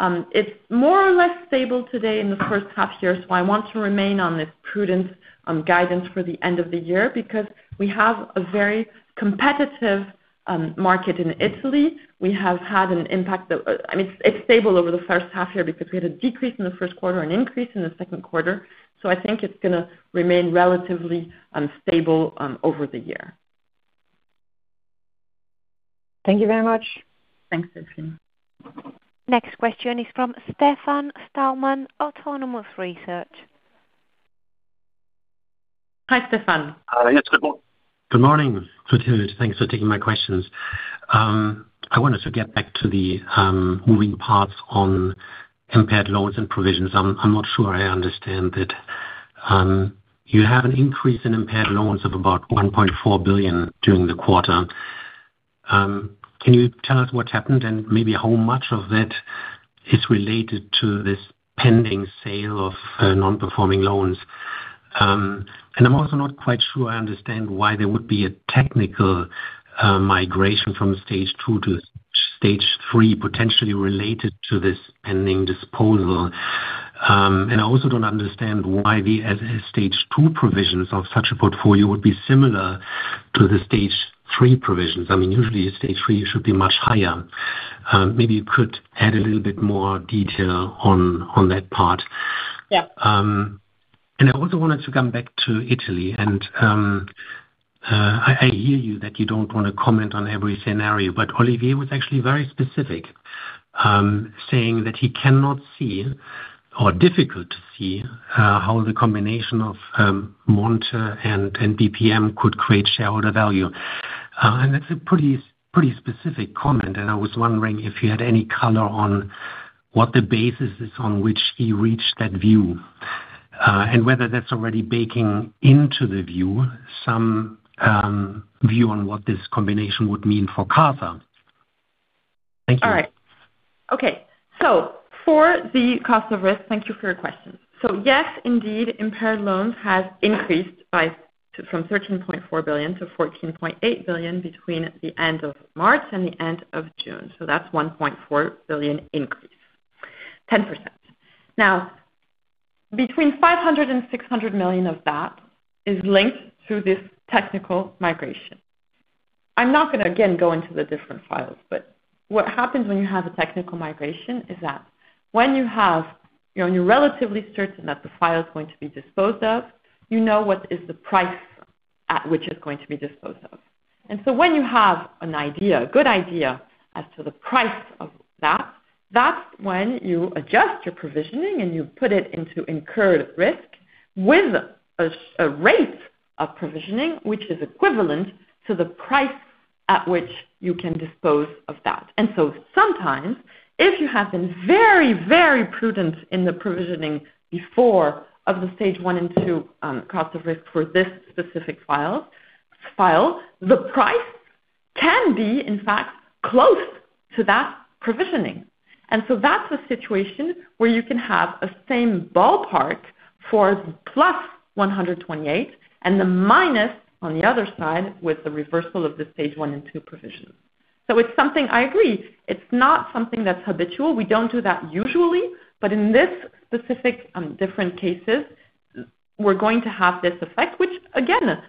It's more or less stable today in the first half-year, I want to remain on this prudent guidance for the end of the year because we have a very competitive market in Italy. We have had an impact that it's stable over the first half-year because we had a decrease in the first quarter and increase in the second quarter. I think it's going to remain relatively stable over the year. Thank you very much. Thanks, Delphine. Next question is from Stefan Stalmann, Autonomous Research. Hi, Stefan. Yes, good morning. Good morning. Clotilde, thanks for taking my questions. I wanted to get back to the moving parts on impaired loans and provisions. I am not sure I understand that you have an increase in impaired loans of about 1.4 billion during the quarter. Can you tell us what happened and maybe how much of that is related to this pending sale of non-performing loans? I am also not quite sure I understand why there would be a technical migration from Stage 2 to Stage 3 potentially related to this pending disposal. I also don't understand why the Stage 2 provisions of such a portfolio would be similar to the Stage 3 provisions. Usually at Stage 3, you should be much higher. Maybe you could add a little bit more detail on that part. Yeah. I also wanted to come back to Italy, and I hear you that you don't want to comment on every scenario, but Olivier was actually very specific, saying that he cannot see or difficult to see how the combination of Monte and BPM could create shareholder value. That's a pretty specific comment. I was wondering if you had any color on what the basis is on which he reached that view, and whether that's already baking into the view, some view on what this combination would mean for CASA. Thank you. All right. Okay. For the cost of risk, thank you for your question. Yes, indeed, impaired loans has increased from 13.4 billion to 14.8 billion between the end of March and the end of June. That's 1.4 billion increase, 10%. Between 500 million and 600 million of that is linked to this technical migration. I am not going to, again, go into the different files, but what happens when you have a technical migration is that when you are relatively certain that the file is going to be disposed of, you know what is the price at which it is going to be disposed of. When you have a good idea as to the price of that. That's when you adjust your provisioning and you put it into incurred risk with a rate of provisioning, which is equivalent to the price at which you can dispose of that. Sometimes, if you have been very, very prudent in the provisioning before of the Stage 1 and 2 cost of risk for this specific file, the price can be, in fact, close to that provisioning. That's a situation where you can have a same ballpark for +128 and the minus on the other side with the reversal of the Stage 1 and 2 provision. It's something I agree. It's not something that's habitual. We do not do that usually, but in this specific different cases, we are going to have this effect, which again,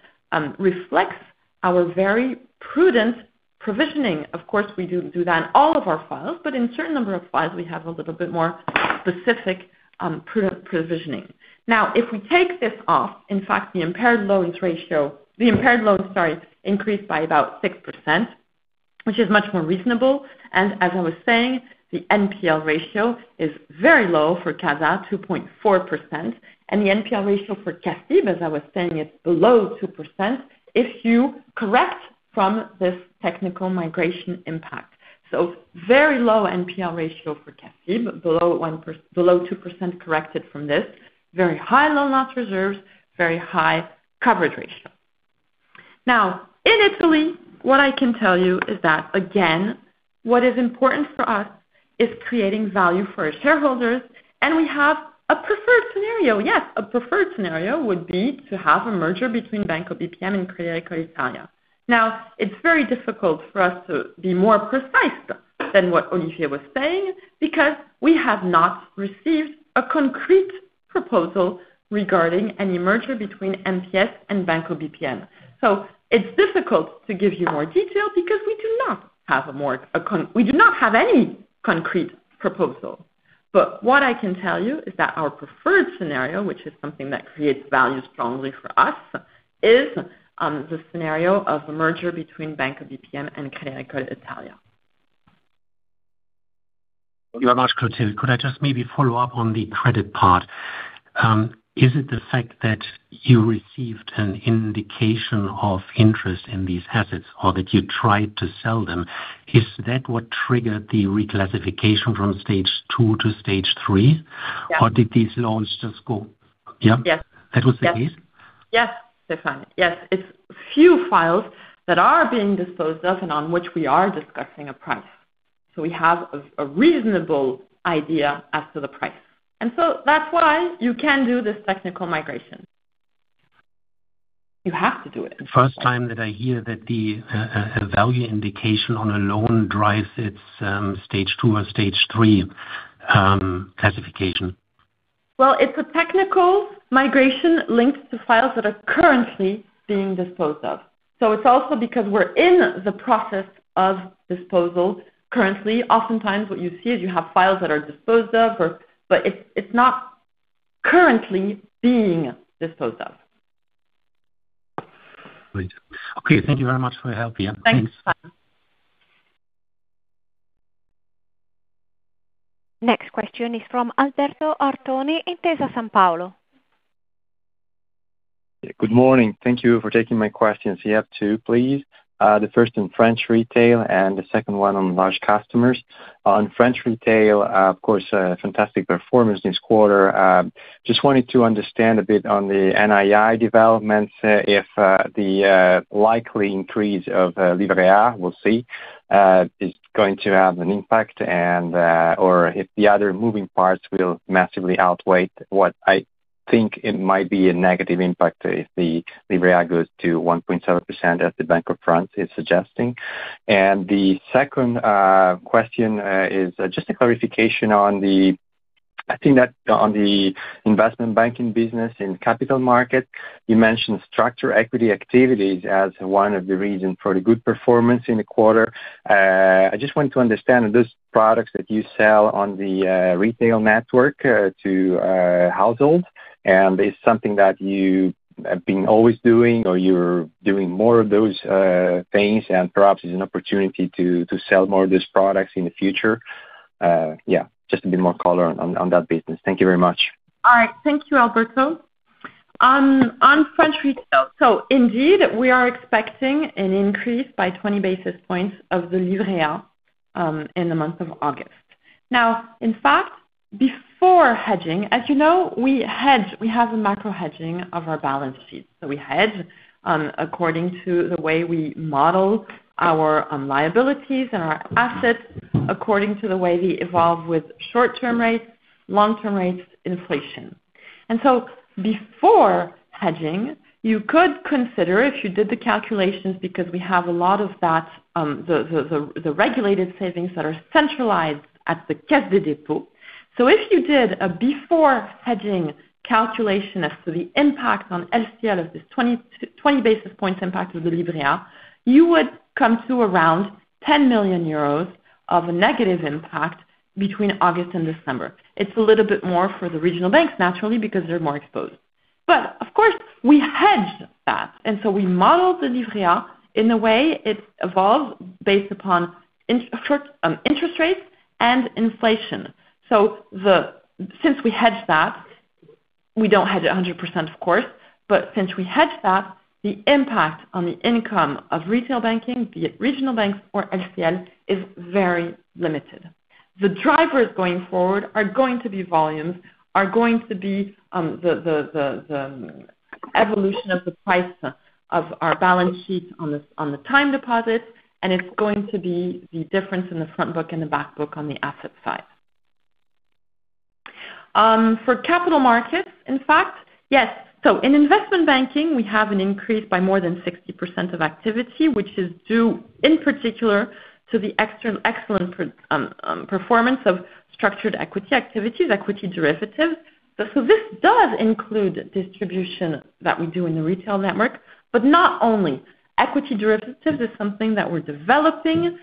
reflects our very prudent provisioning. Of course, we do that in all of our files, but in certain number of files, we have a little bit more specific provisioning. If we take this off, in fact, the impaired loans increased by about 6%, which is much more reasonable, and as I was saying, the NPL ratio is very low for CASA, 2.4%, and the NPL ratio for CA-CIB, as I was saying, it's below 2% if you correct from this technical migration impact. Very low NPL ratio for CA-CIB, below 2% corrected from this. Very high loan loss reserves, very high coverage ratio. In Italy, what I can tell you is that, again, what is important for us is creating value for our shareholders, and we have a preferred scenario. Yes, a preferred scenario would be to have a merger between Banco BPM and Crédit Agricole Italia. It's very difficult for us to be more precise than what Olivier was saying because we have not received a concrete proposal regarding any merger between MPS and Banco BPM. It's difficult to give you more detail because we do not have any concrete proposal. What I can tell you is that our preferred scenario, which is something that creates value strongly for us, is the scenario of a merger between Banco BPM and Crédit Agricole Italia. Thank you very much, Clotilde. Could I just maybe follow up on the credit part? Is it the fact that you received an indication of interest in these assets or that you tried to sell them? Is that what triggered the reclassification from Stage 2 to Stage 3? Yeah. Did these loans just go? Yeah? Yes. That was the case? Yes, Stefan. Yes, it's few files that are being disposed of and on which we are discussing a price. We have a reasonable idea as to the price. That's why you can do this technical migration. You have to do it. First time that I hear that the value indication on a loan drives its Stage 2 or Stage 3 classification. Well, it's a technical migration linked to files that are currently being disposed of. It's also because we're in the process of disposal currently. Oftentimes, what you see is you have files that are disposed of, but it's not currently being disposed of. Great. Okay, thank you very much for your help. Yeah. Thanks. Thanks. Bye. Next question is from Alberto Artoni, Intesa Sanpaolo. Good morning. Thank you for taking my questions. You have two, please. The first on French retail and the second one on large customers. On French retail, of course, fantastic performance this quarter. Just wanted to understand a bit on the NII developments, if the likely increase of Livret A, we'll see, is going to have an impact or if the other moving parts will massively outweigh what I think it might be a negative impact if the Livret A goes to 1.7% as the Banque de France is suggesting. The second question is just a clarification on the investment banking business in capital market. You mentioned structure equity activities as one of the reasons for the good performance in the quarter. I just want to understand those products that you sell on the retail network to households, and is something that you have been always doing or you're doing more of those things and perhaps is an opportunity to sell more of those products in the future? Yeah, just a bit more color on that business. Thank you very much. All right. Thank you, Alberto. On French retail. Indeed, we are expecting an increase by 20 basis points of the Livret A in the month of August. In fact, before hedging, as you know, we hedge, we have a macro hedging of our balance sheet. We hedge according to the way we model our liabilities and our assets according to the way they evolve with short-term rates, long-term rates, inflation. Before hedging, you could consider if you did the calculations because we have a lot of the regulated savings that are centralized at the Caisse des Dépôts. If you did a before-hedging calculation as to the impact on LCL of this 20 basis points impact of the Livret A, you would come to around 10 million euros of a negative impact between August and December. It's a little bit more for the regional banks, naturally, because they're more exposed. Of course, we hedge that. We model the Livret A in the way it evolves based upon interest rates and inflation. Since we hedge that, we don't hedge 100%, of course. Since we hedge that, the impact on the income of retail banking, be it regional banks or LCL, is very limited. The drivers going forward are going to be volumes, are going to be the evolution of the price of our balance sheet on the time deposits, and it's going to be the difference in the front book and the back book on the asset side. For capital markets, in fact, yes. In investment banking, we have an increase by more than 60% of activity, which is due in particular to the excellent performance of structured equity activities, equity derivatives. This does include distribution that we do in the retail network, but not only. Equity derivatives is something that we're developing.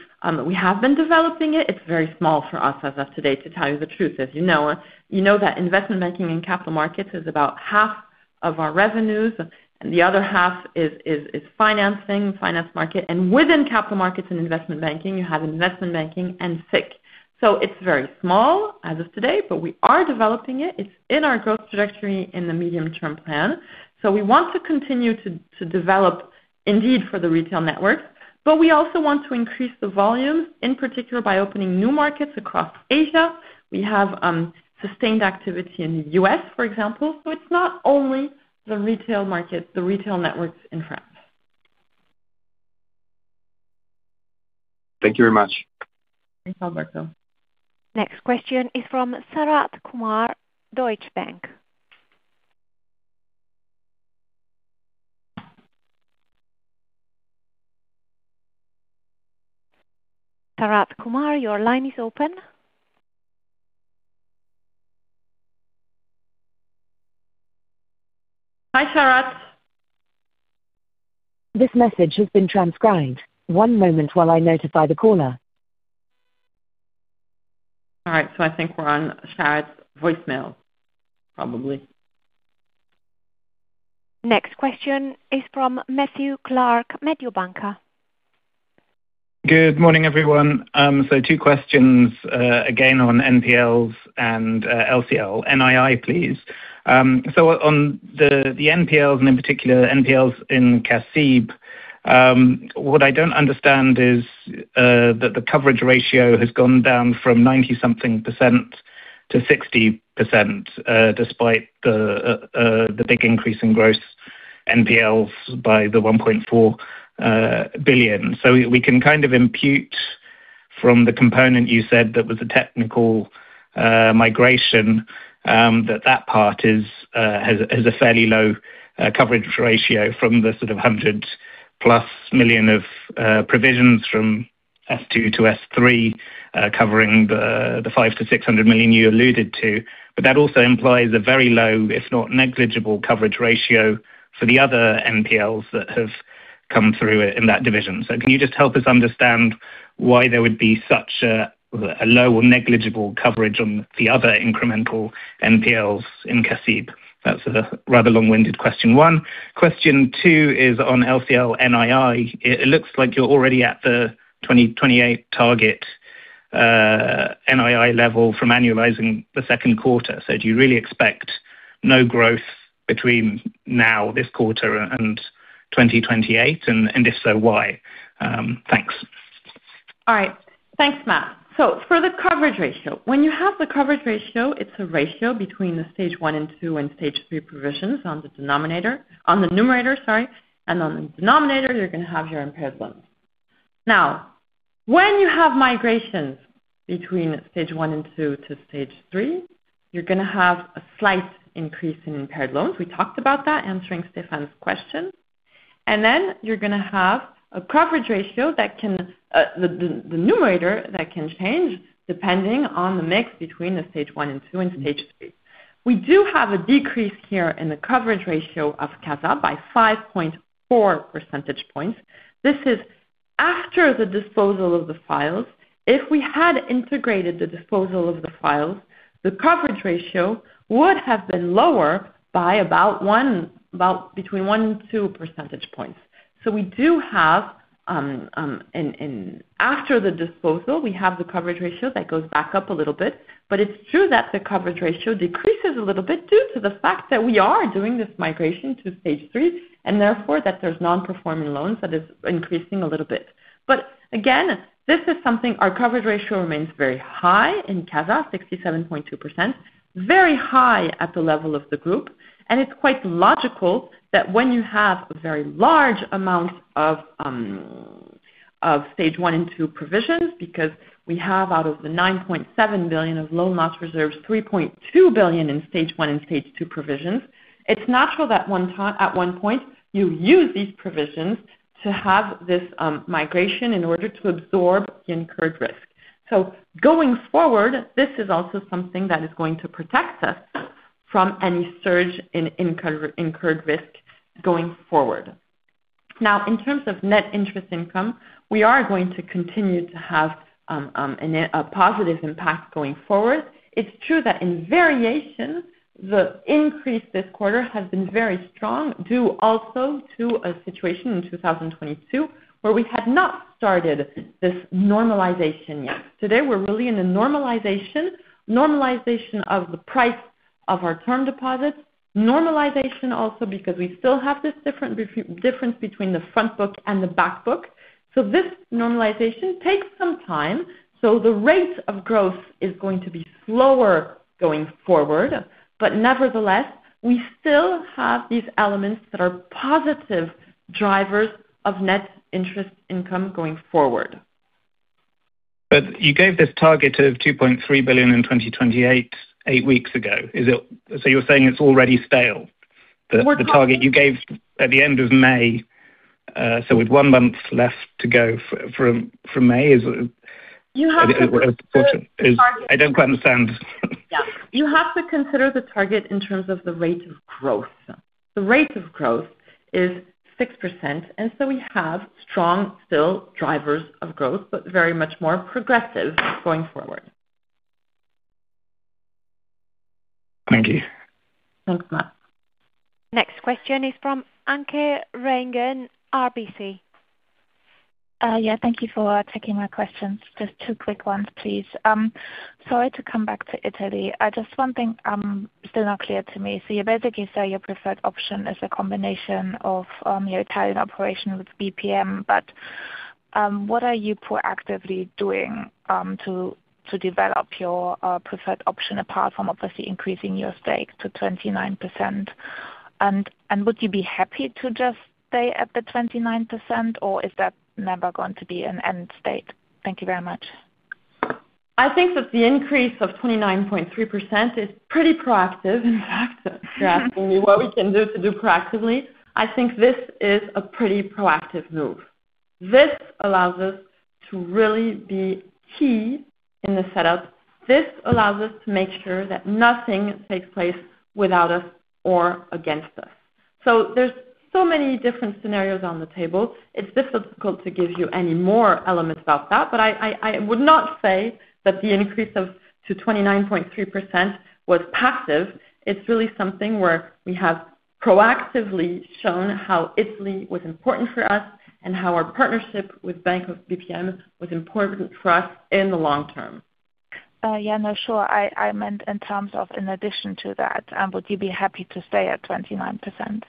We have been developing it. It's very small for us as of today, to tell you the truth. As you know that investment banking in capital markets is about half of our revenues, and the other half is financing, finance market. Within capital markets and investment banking, you have investment banking and FICC. It's very small as of today, but we are developing it. It's in our growth trajectory in the medium-term plan. We want to continue to develop indeed for the retail network, but we also want to increase the volume, in particular, by opening new markets across Asia. We have sustained activity in U.S., for example. It's not only the retail market, the retail networks in France. Thank you very much. Thanks, Alberto. Next question is from Sharath Kumar, Deutsche Bank. Sharath Kumar, your line is open. Hi, Sharath. This message has been transcribed. One moment while I notify the caller. All right, I think we're on Sharath's voicemail, probably. Next question is from Matthew Clark, Mediobanca. Good morning, everyone. Two questions, again, on NPLs and LCL NII, please. On the NPLs, and in particular, NPLs in CA-CIB, what I don't understand is that the coverage ratio has gone down from 90-something% to 60%, despite the big increase in gross NPLs by the 1.4 billion. We can kind of impute from the component you said that was a technical migration, that that part has a fairly low coverage ratio from the sort of 100+ million of provisions from S2 to S3, covering the 500 million-600 million you alluded to. That also implies a very low, if not negligible coverage ratio for the other NPLs that have come through in that division. Can you just help us understand why there would be such a low or negligible coverage on the other incremental NPLs in CA-CIB? That's sort of rather long-winded question 1. Question 2 is on LCL NII. It looks like you're already at the 2028 target, NII level from annualizing the second quarter. Do you really expect no growth between now, this quarter, and 2028? If so, why? Thanks. All right. Thanks, Matt. For the coverage ratio, when you have the coverage ratio, it's a ratio between the Stage 1 and 2 and Stage 3 provisions on the numerator. On the denominator, you're going to have your impaired loans. Now, when you have migrations between Stage 1 and 2 to Stage 3, you're going to have a slight increase in impaired loans. We talked about that answering Stefan's question. Then you're going to have a coverage ratio, the numerator that can change depending on the mix between the Stage 1 and 2, and Stage 3. We do have a decrease here in the coverage ratio of CASA by 5.4 percentage points. This is after the disposal of the files. If we had integrated the disposal of the files, the coverage ratio would have been lower by about between 1 and 2 percentage points. After the disposal, we have the coverage ratio that goes back up a little bit, it's true that the coverage ratio decreases a little bit due to the fact that we are doing this migration to Stage 3, and therefore, that there's non-performing loans that is increasing a little bit. Again, this is something our coverage ratio remains very high in CASA, 67.2%, very high at the level of the group. It's quite logical that when you have a very large amount of Stage 1 and 2 provisions, because we have out of the 9.7 billion of loan loss reserves, 3.2 billion in Stage 1 and Stage 2 provisions, it's natural that at one point you use these provisions to have this migration in order to absorb the incurred risk. Going forward, this is also something that is going to protect us from any surge in incurred risk going forward. Now, in terms of net interest income, we are going to continue to have a positive impact going forward. It's true that in variation, the increase this quarter has been very strong, due also to a situation in 2022 where we had not started this normalization yet. Today, we're really in a normalization. Normalization of the price of our term deposits, normalization also because we still have this difference between the front book and the back book. This normalization takes some time. The rate of growth is going to be slower going forward. Nevertheless, we still have these elements that are positive drivers of net interest income going forward. You gave this target of 2.3 billion in 2028, eight weeks ago. You're saying it's already stale? We're- The target you gave at the end of May, so with one month left to go from May. You have to consider the target- I don't quite understand. Yeah. You have to consider the target in terms of the rate of growth. The rate of growth is 6%, we have strong, still, drivers of growth, but very much more progressive going forward. Thank you. Thanks, Matt. Next question is from Anke Reingen, RBC. Yeah, thank you for taking my questions. Just two quick ones, please. Sorry to come back to Italy. Just one thing still not clear to me. You basically say your preferred option is a combination of your Italian operation with BPM, but what are you proactively doing to develop your preferred option, apart from obviously increasing your stake to 29%? Would you be happy to just stay at the 29%, or is that never going to be an end state? Thank you very much. I think that the increase of 29.3% is pretty proactive, in fact. You're asking me what we can do to do proactively. I think this is a pretty proactive move. This allows us to really be key in the setup. This allows us to make sure that nothing takes place without us or against us. There's so many different scenarios on the table. It's difficult to give you any more elements about that, but I would not say that the increase to 29.3% was passive. It's really something where we have proactively shown how Italy was important for us, and how our partnership with Banco BPM was important for us in the long term. Yeah. No, sure. I meant in terms of in addition to that, would you be happy to stay at 29%?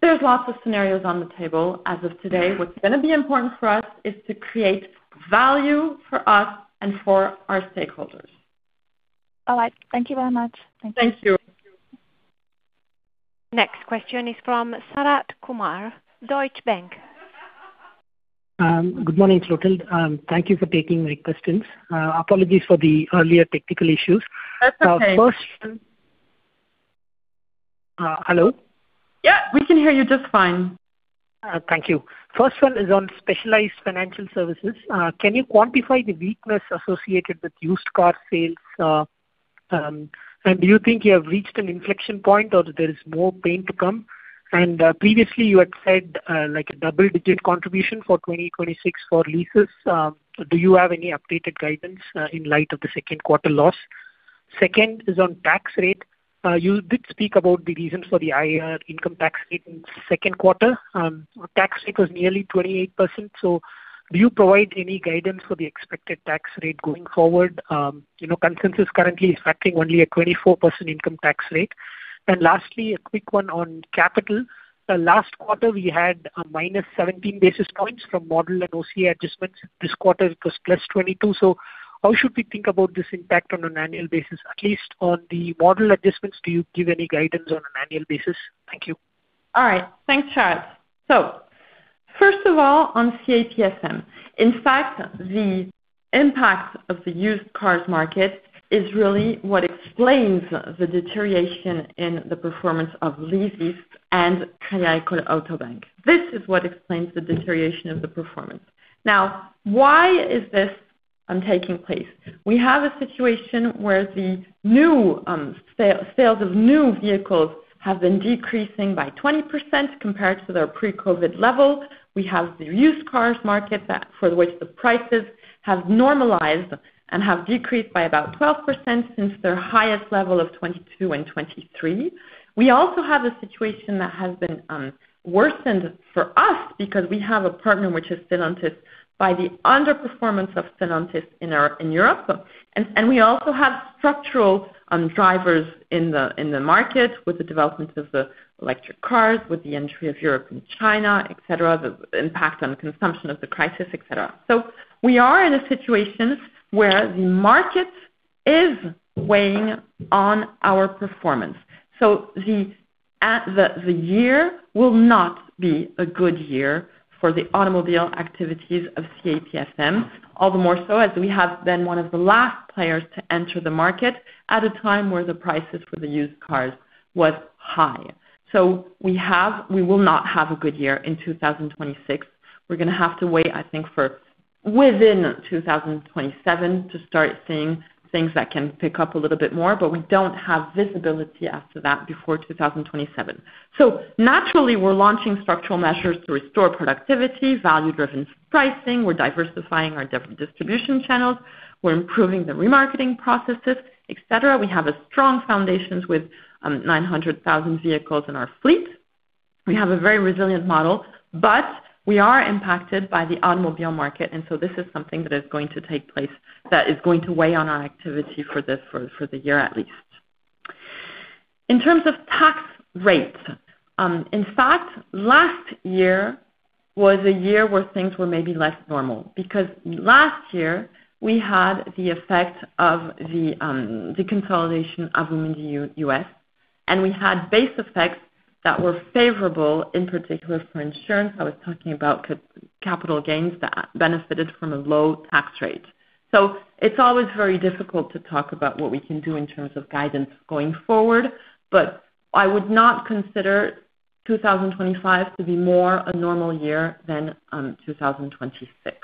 There's lots of scenarios on the table. As of today, what's going to be important for us is to create value for us and for our stakeholders. All right. Thank you very much. Thank you. Thank you. Next question is from Sharath Kumar, Deutsche Bank. Good morning, Clotilde. Thank you for taking my questions. Apologies for the earlier technical issues. That's okay. First Hello? Yeah. We can hear you just fine. Thank you. First one is on specialized financial services. Can you quantify the weakness associated with used car sales? Do you think you have reached an inflection point or there is more pain to come? Previously you had said, like a double-digit contribution for 2026 for leases. Do you have any updated guidance in light of the second quarter loss? Second is on tax rate. You did speak about the reasons for the higher income tax rate in second quarter. Tax rate was nearly 28%. Do you provide any guidance for the expected tax rate going forward? Consensus currently is factoring only a 24% income tax rate. Lastly, a quick one on capital. Last quarter, we had a -17 basis points from model and OC adjustments. This quarter, it was +22. How should we think about this impact on an annual basis? At least on the model adjustments, do you give any guidance on an annual basis? Thank you. Thanks, Sharath. First of all, on CAPSM, in fact, the impact of the used cars market is really what explains the deterioration in the performance of leases and Crédit Agricole Auto Bank. This is what explains the deterioration of the performance. Why is this taking place? We have a situation where the sales of new vehicles have been decreasing by 20% compared to their pre-COVID levels. We have the used cars market, for which the prices have normalized and have decreased by about 12% since their highest level of 2022 and 2023. We also have a situation that has been worsened for us because we have a partner, which is Stellantis, by the underperformance of Stellantis in Europe. We also have structural drivers in the market with the development of the electric cars, with the entry of Europe and China, et cetera, the impact on consumption of the crisis, et cetera. We are in a situation where the market is weighing on our performance. The year will not be a good year for the automobile activities of CAPSM. All the more so as we have been one of the last players to enter the market at a time where the prices for the used cars was high. We will not have a good year in 2026. We're going to have to wait, I think, for Within 2027 to start seeing things that can pick up a little bit more, but we don't have visibility after that before 2027. Naturally, we're launching structural measures to restore productivity, value-driven pricing, we're diversifying our distribution channels, we're improving the remarketing processes, et cetera. We have strong foundations with 900,000 vehicles in our fleet. We have a very resilient model, but we are impacted by the automobile market, this is something that is going to take place that is going to weigh on our activity for the year at least. In terms of tax rates. In fact, last year was a year where things were maybe less normal because last year we had the effect of the consolidation of Amundi U.S., and we had base effects that were favorable, in particular for insurance. I was talking about capital gains that benefited from a low tax rate. It's always very difficult to talk about what we can do in terms of guidance going forward, but I would not consider 2025 to be more a normal year than 2026.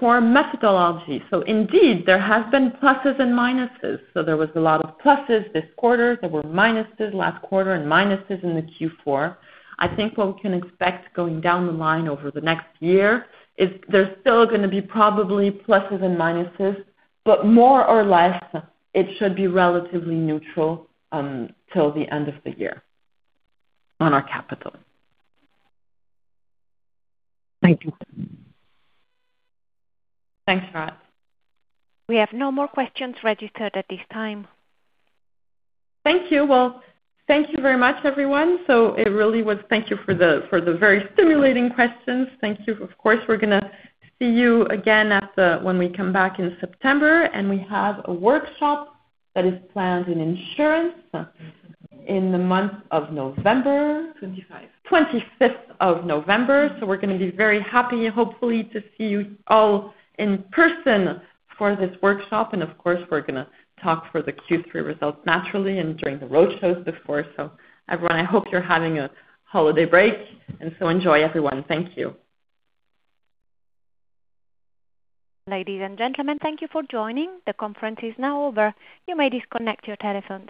For methodology. Indeed, there has been pluses and minuses. There was a lot of pluses this quarter. There were minuses last quarter and minuses in the Q4. I think what we can expect going down the line over the next year is there's still going to be probably pluses and minuses, but more or less, it should be relatively neutral till the end of the year on our capital. Thank you. Thanks, Sharath. We have no more questions registered at this time. Thank you. Well, thank you very much, everyone. Thank you for the very stimulating questions. Thank you. Of course, we're going to see you again when we come back in September, and we have a workshop that is planned in insurance in the month of November. 25. 25th of November. We're going to be very happy, hopefully, to see you all in person for this workshop. Of course, we're going to talk for the Q3 results naturally and during the road shows, of course. Everyone, I hope you're having a holiday break, enjoy, everyone. Thank you. Ladies and gentlemen, thank you for joining. The conference is now over. You may disconnect your telephones.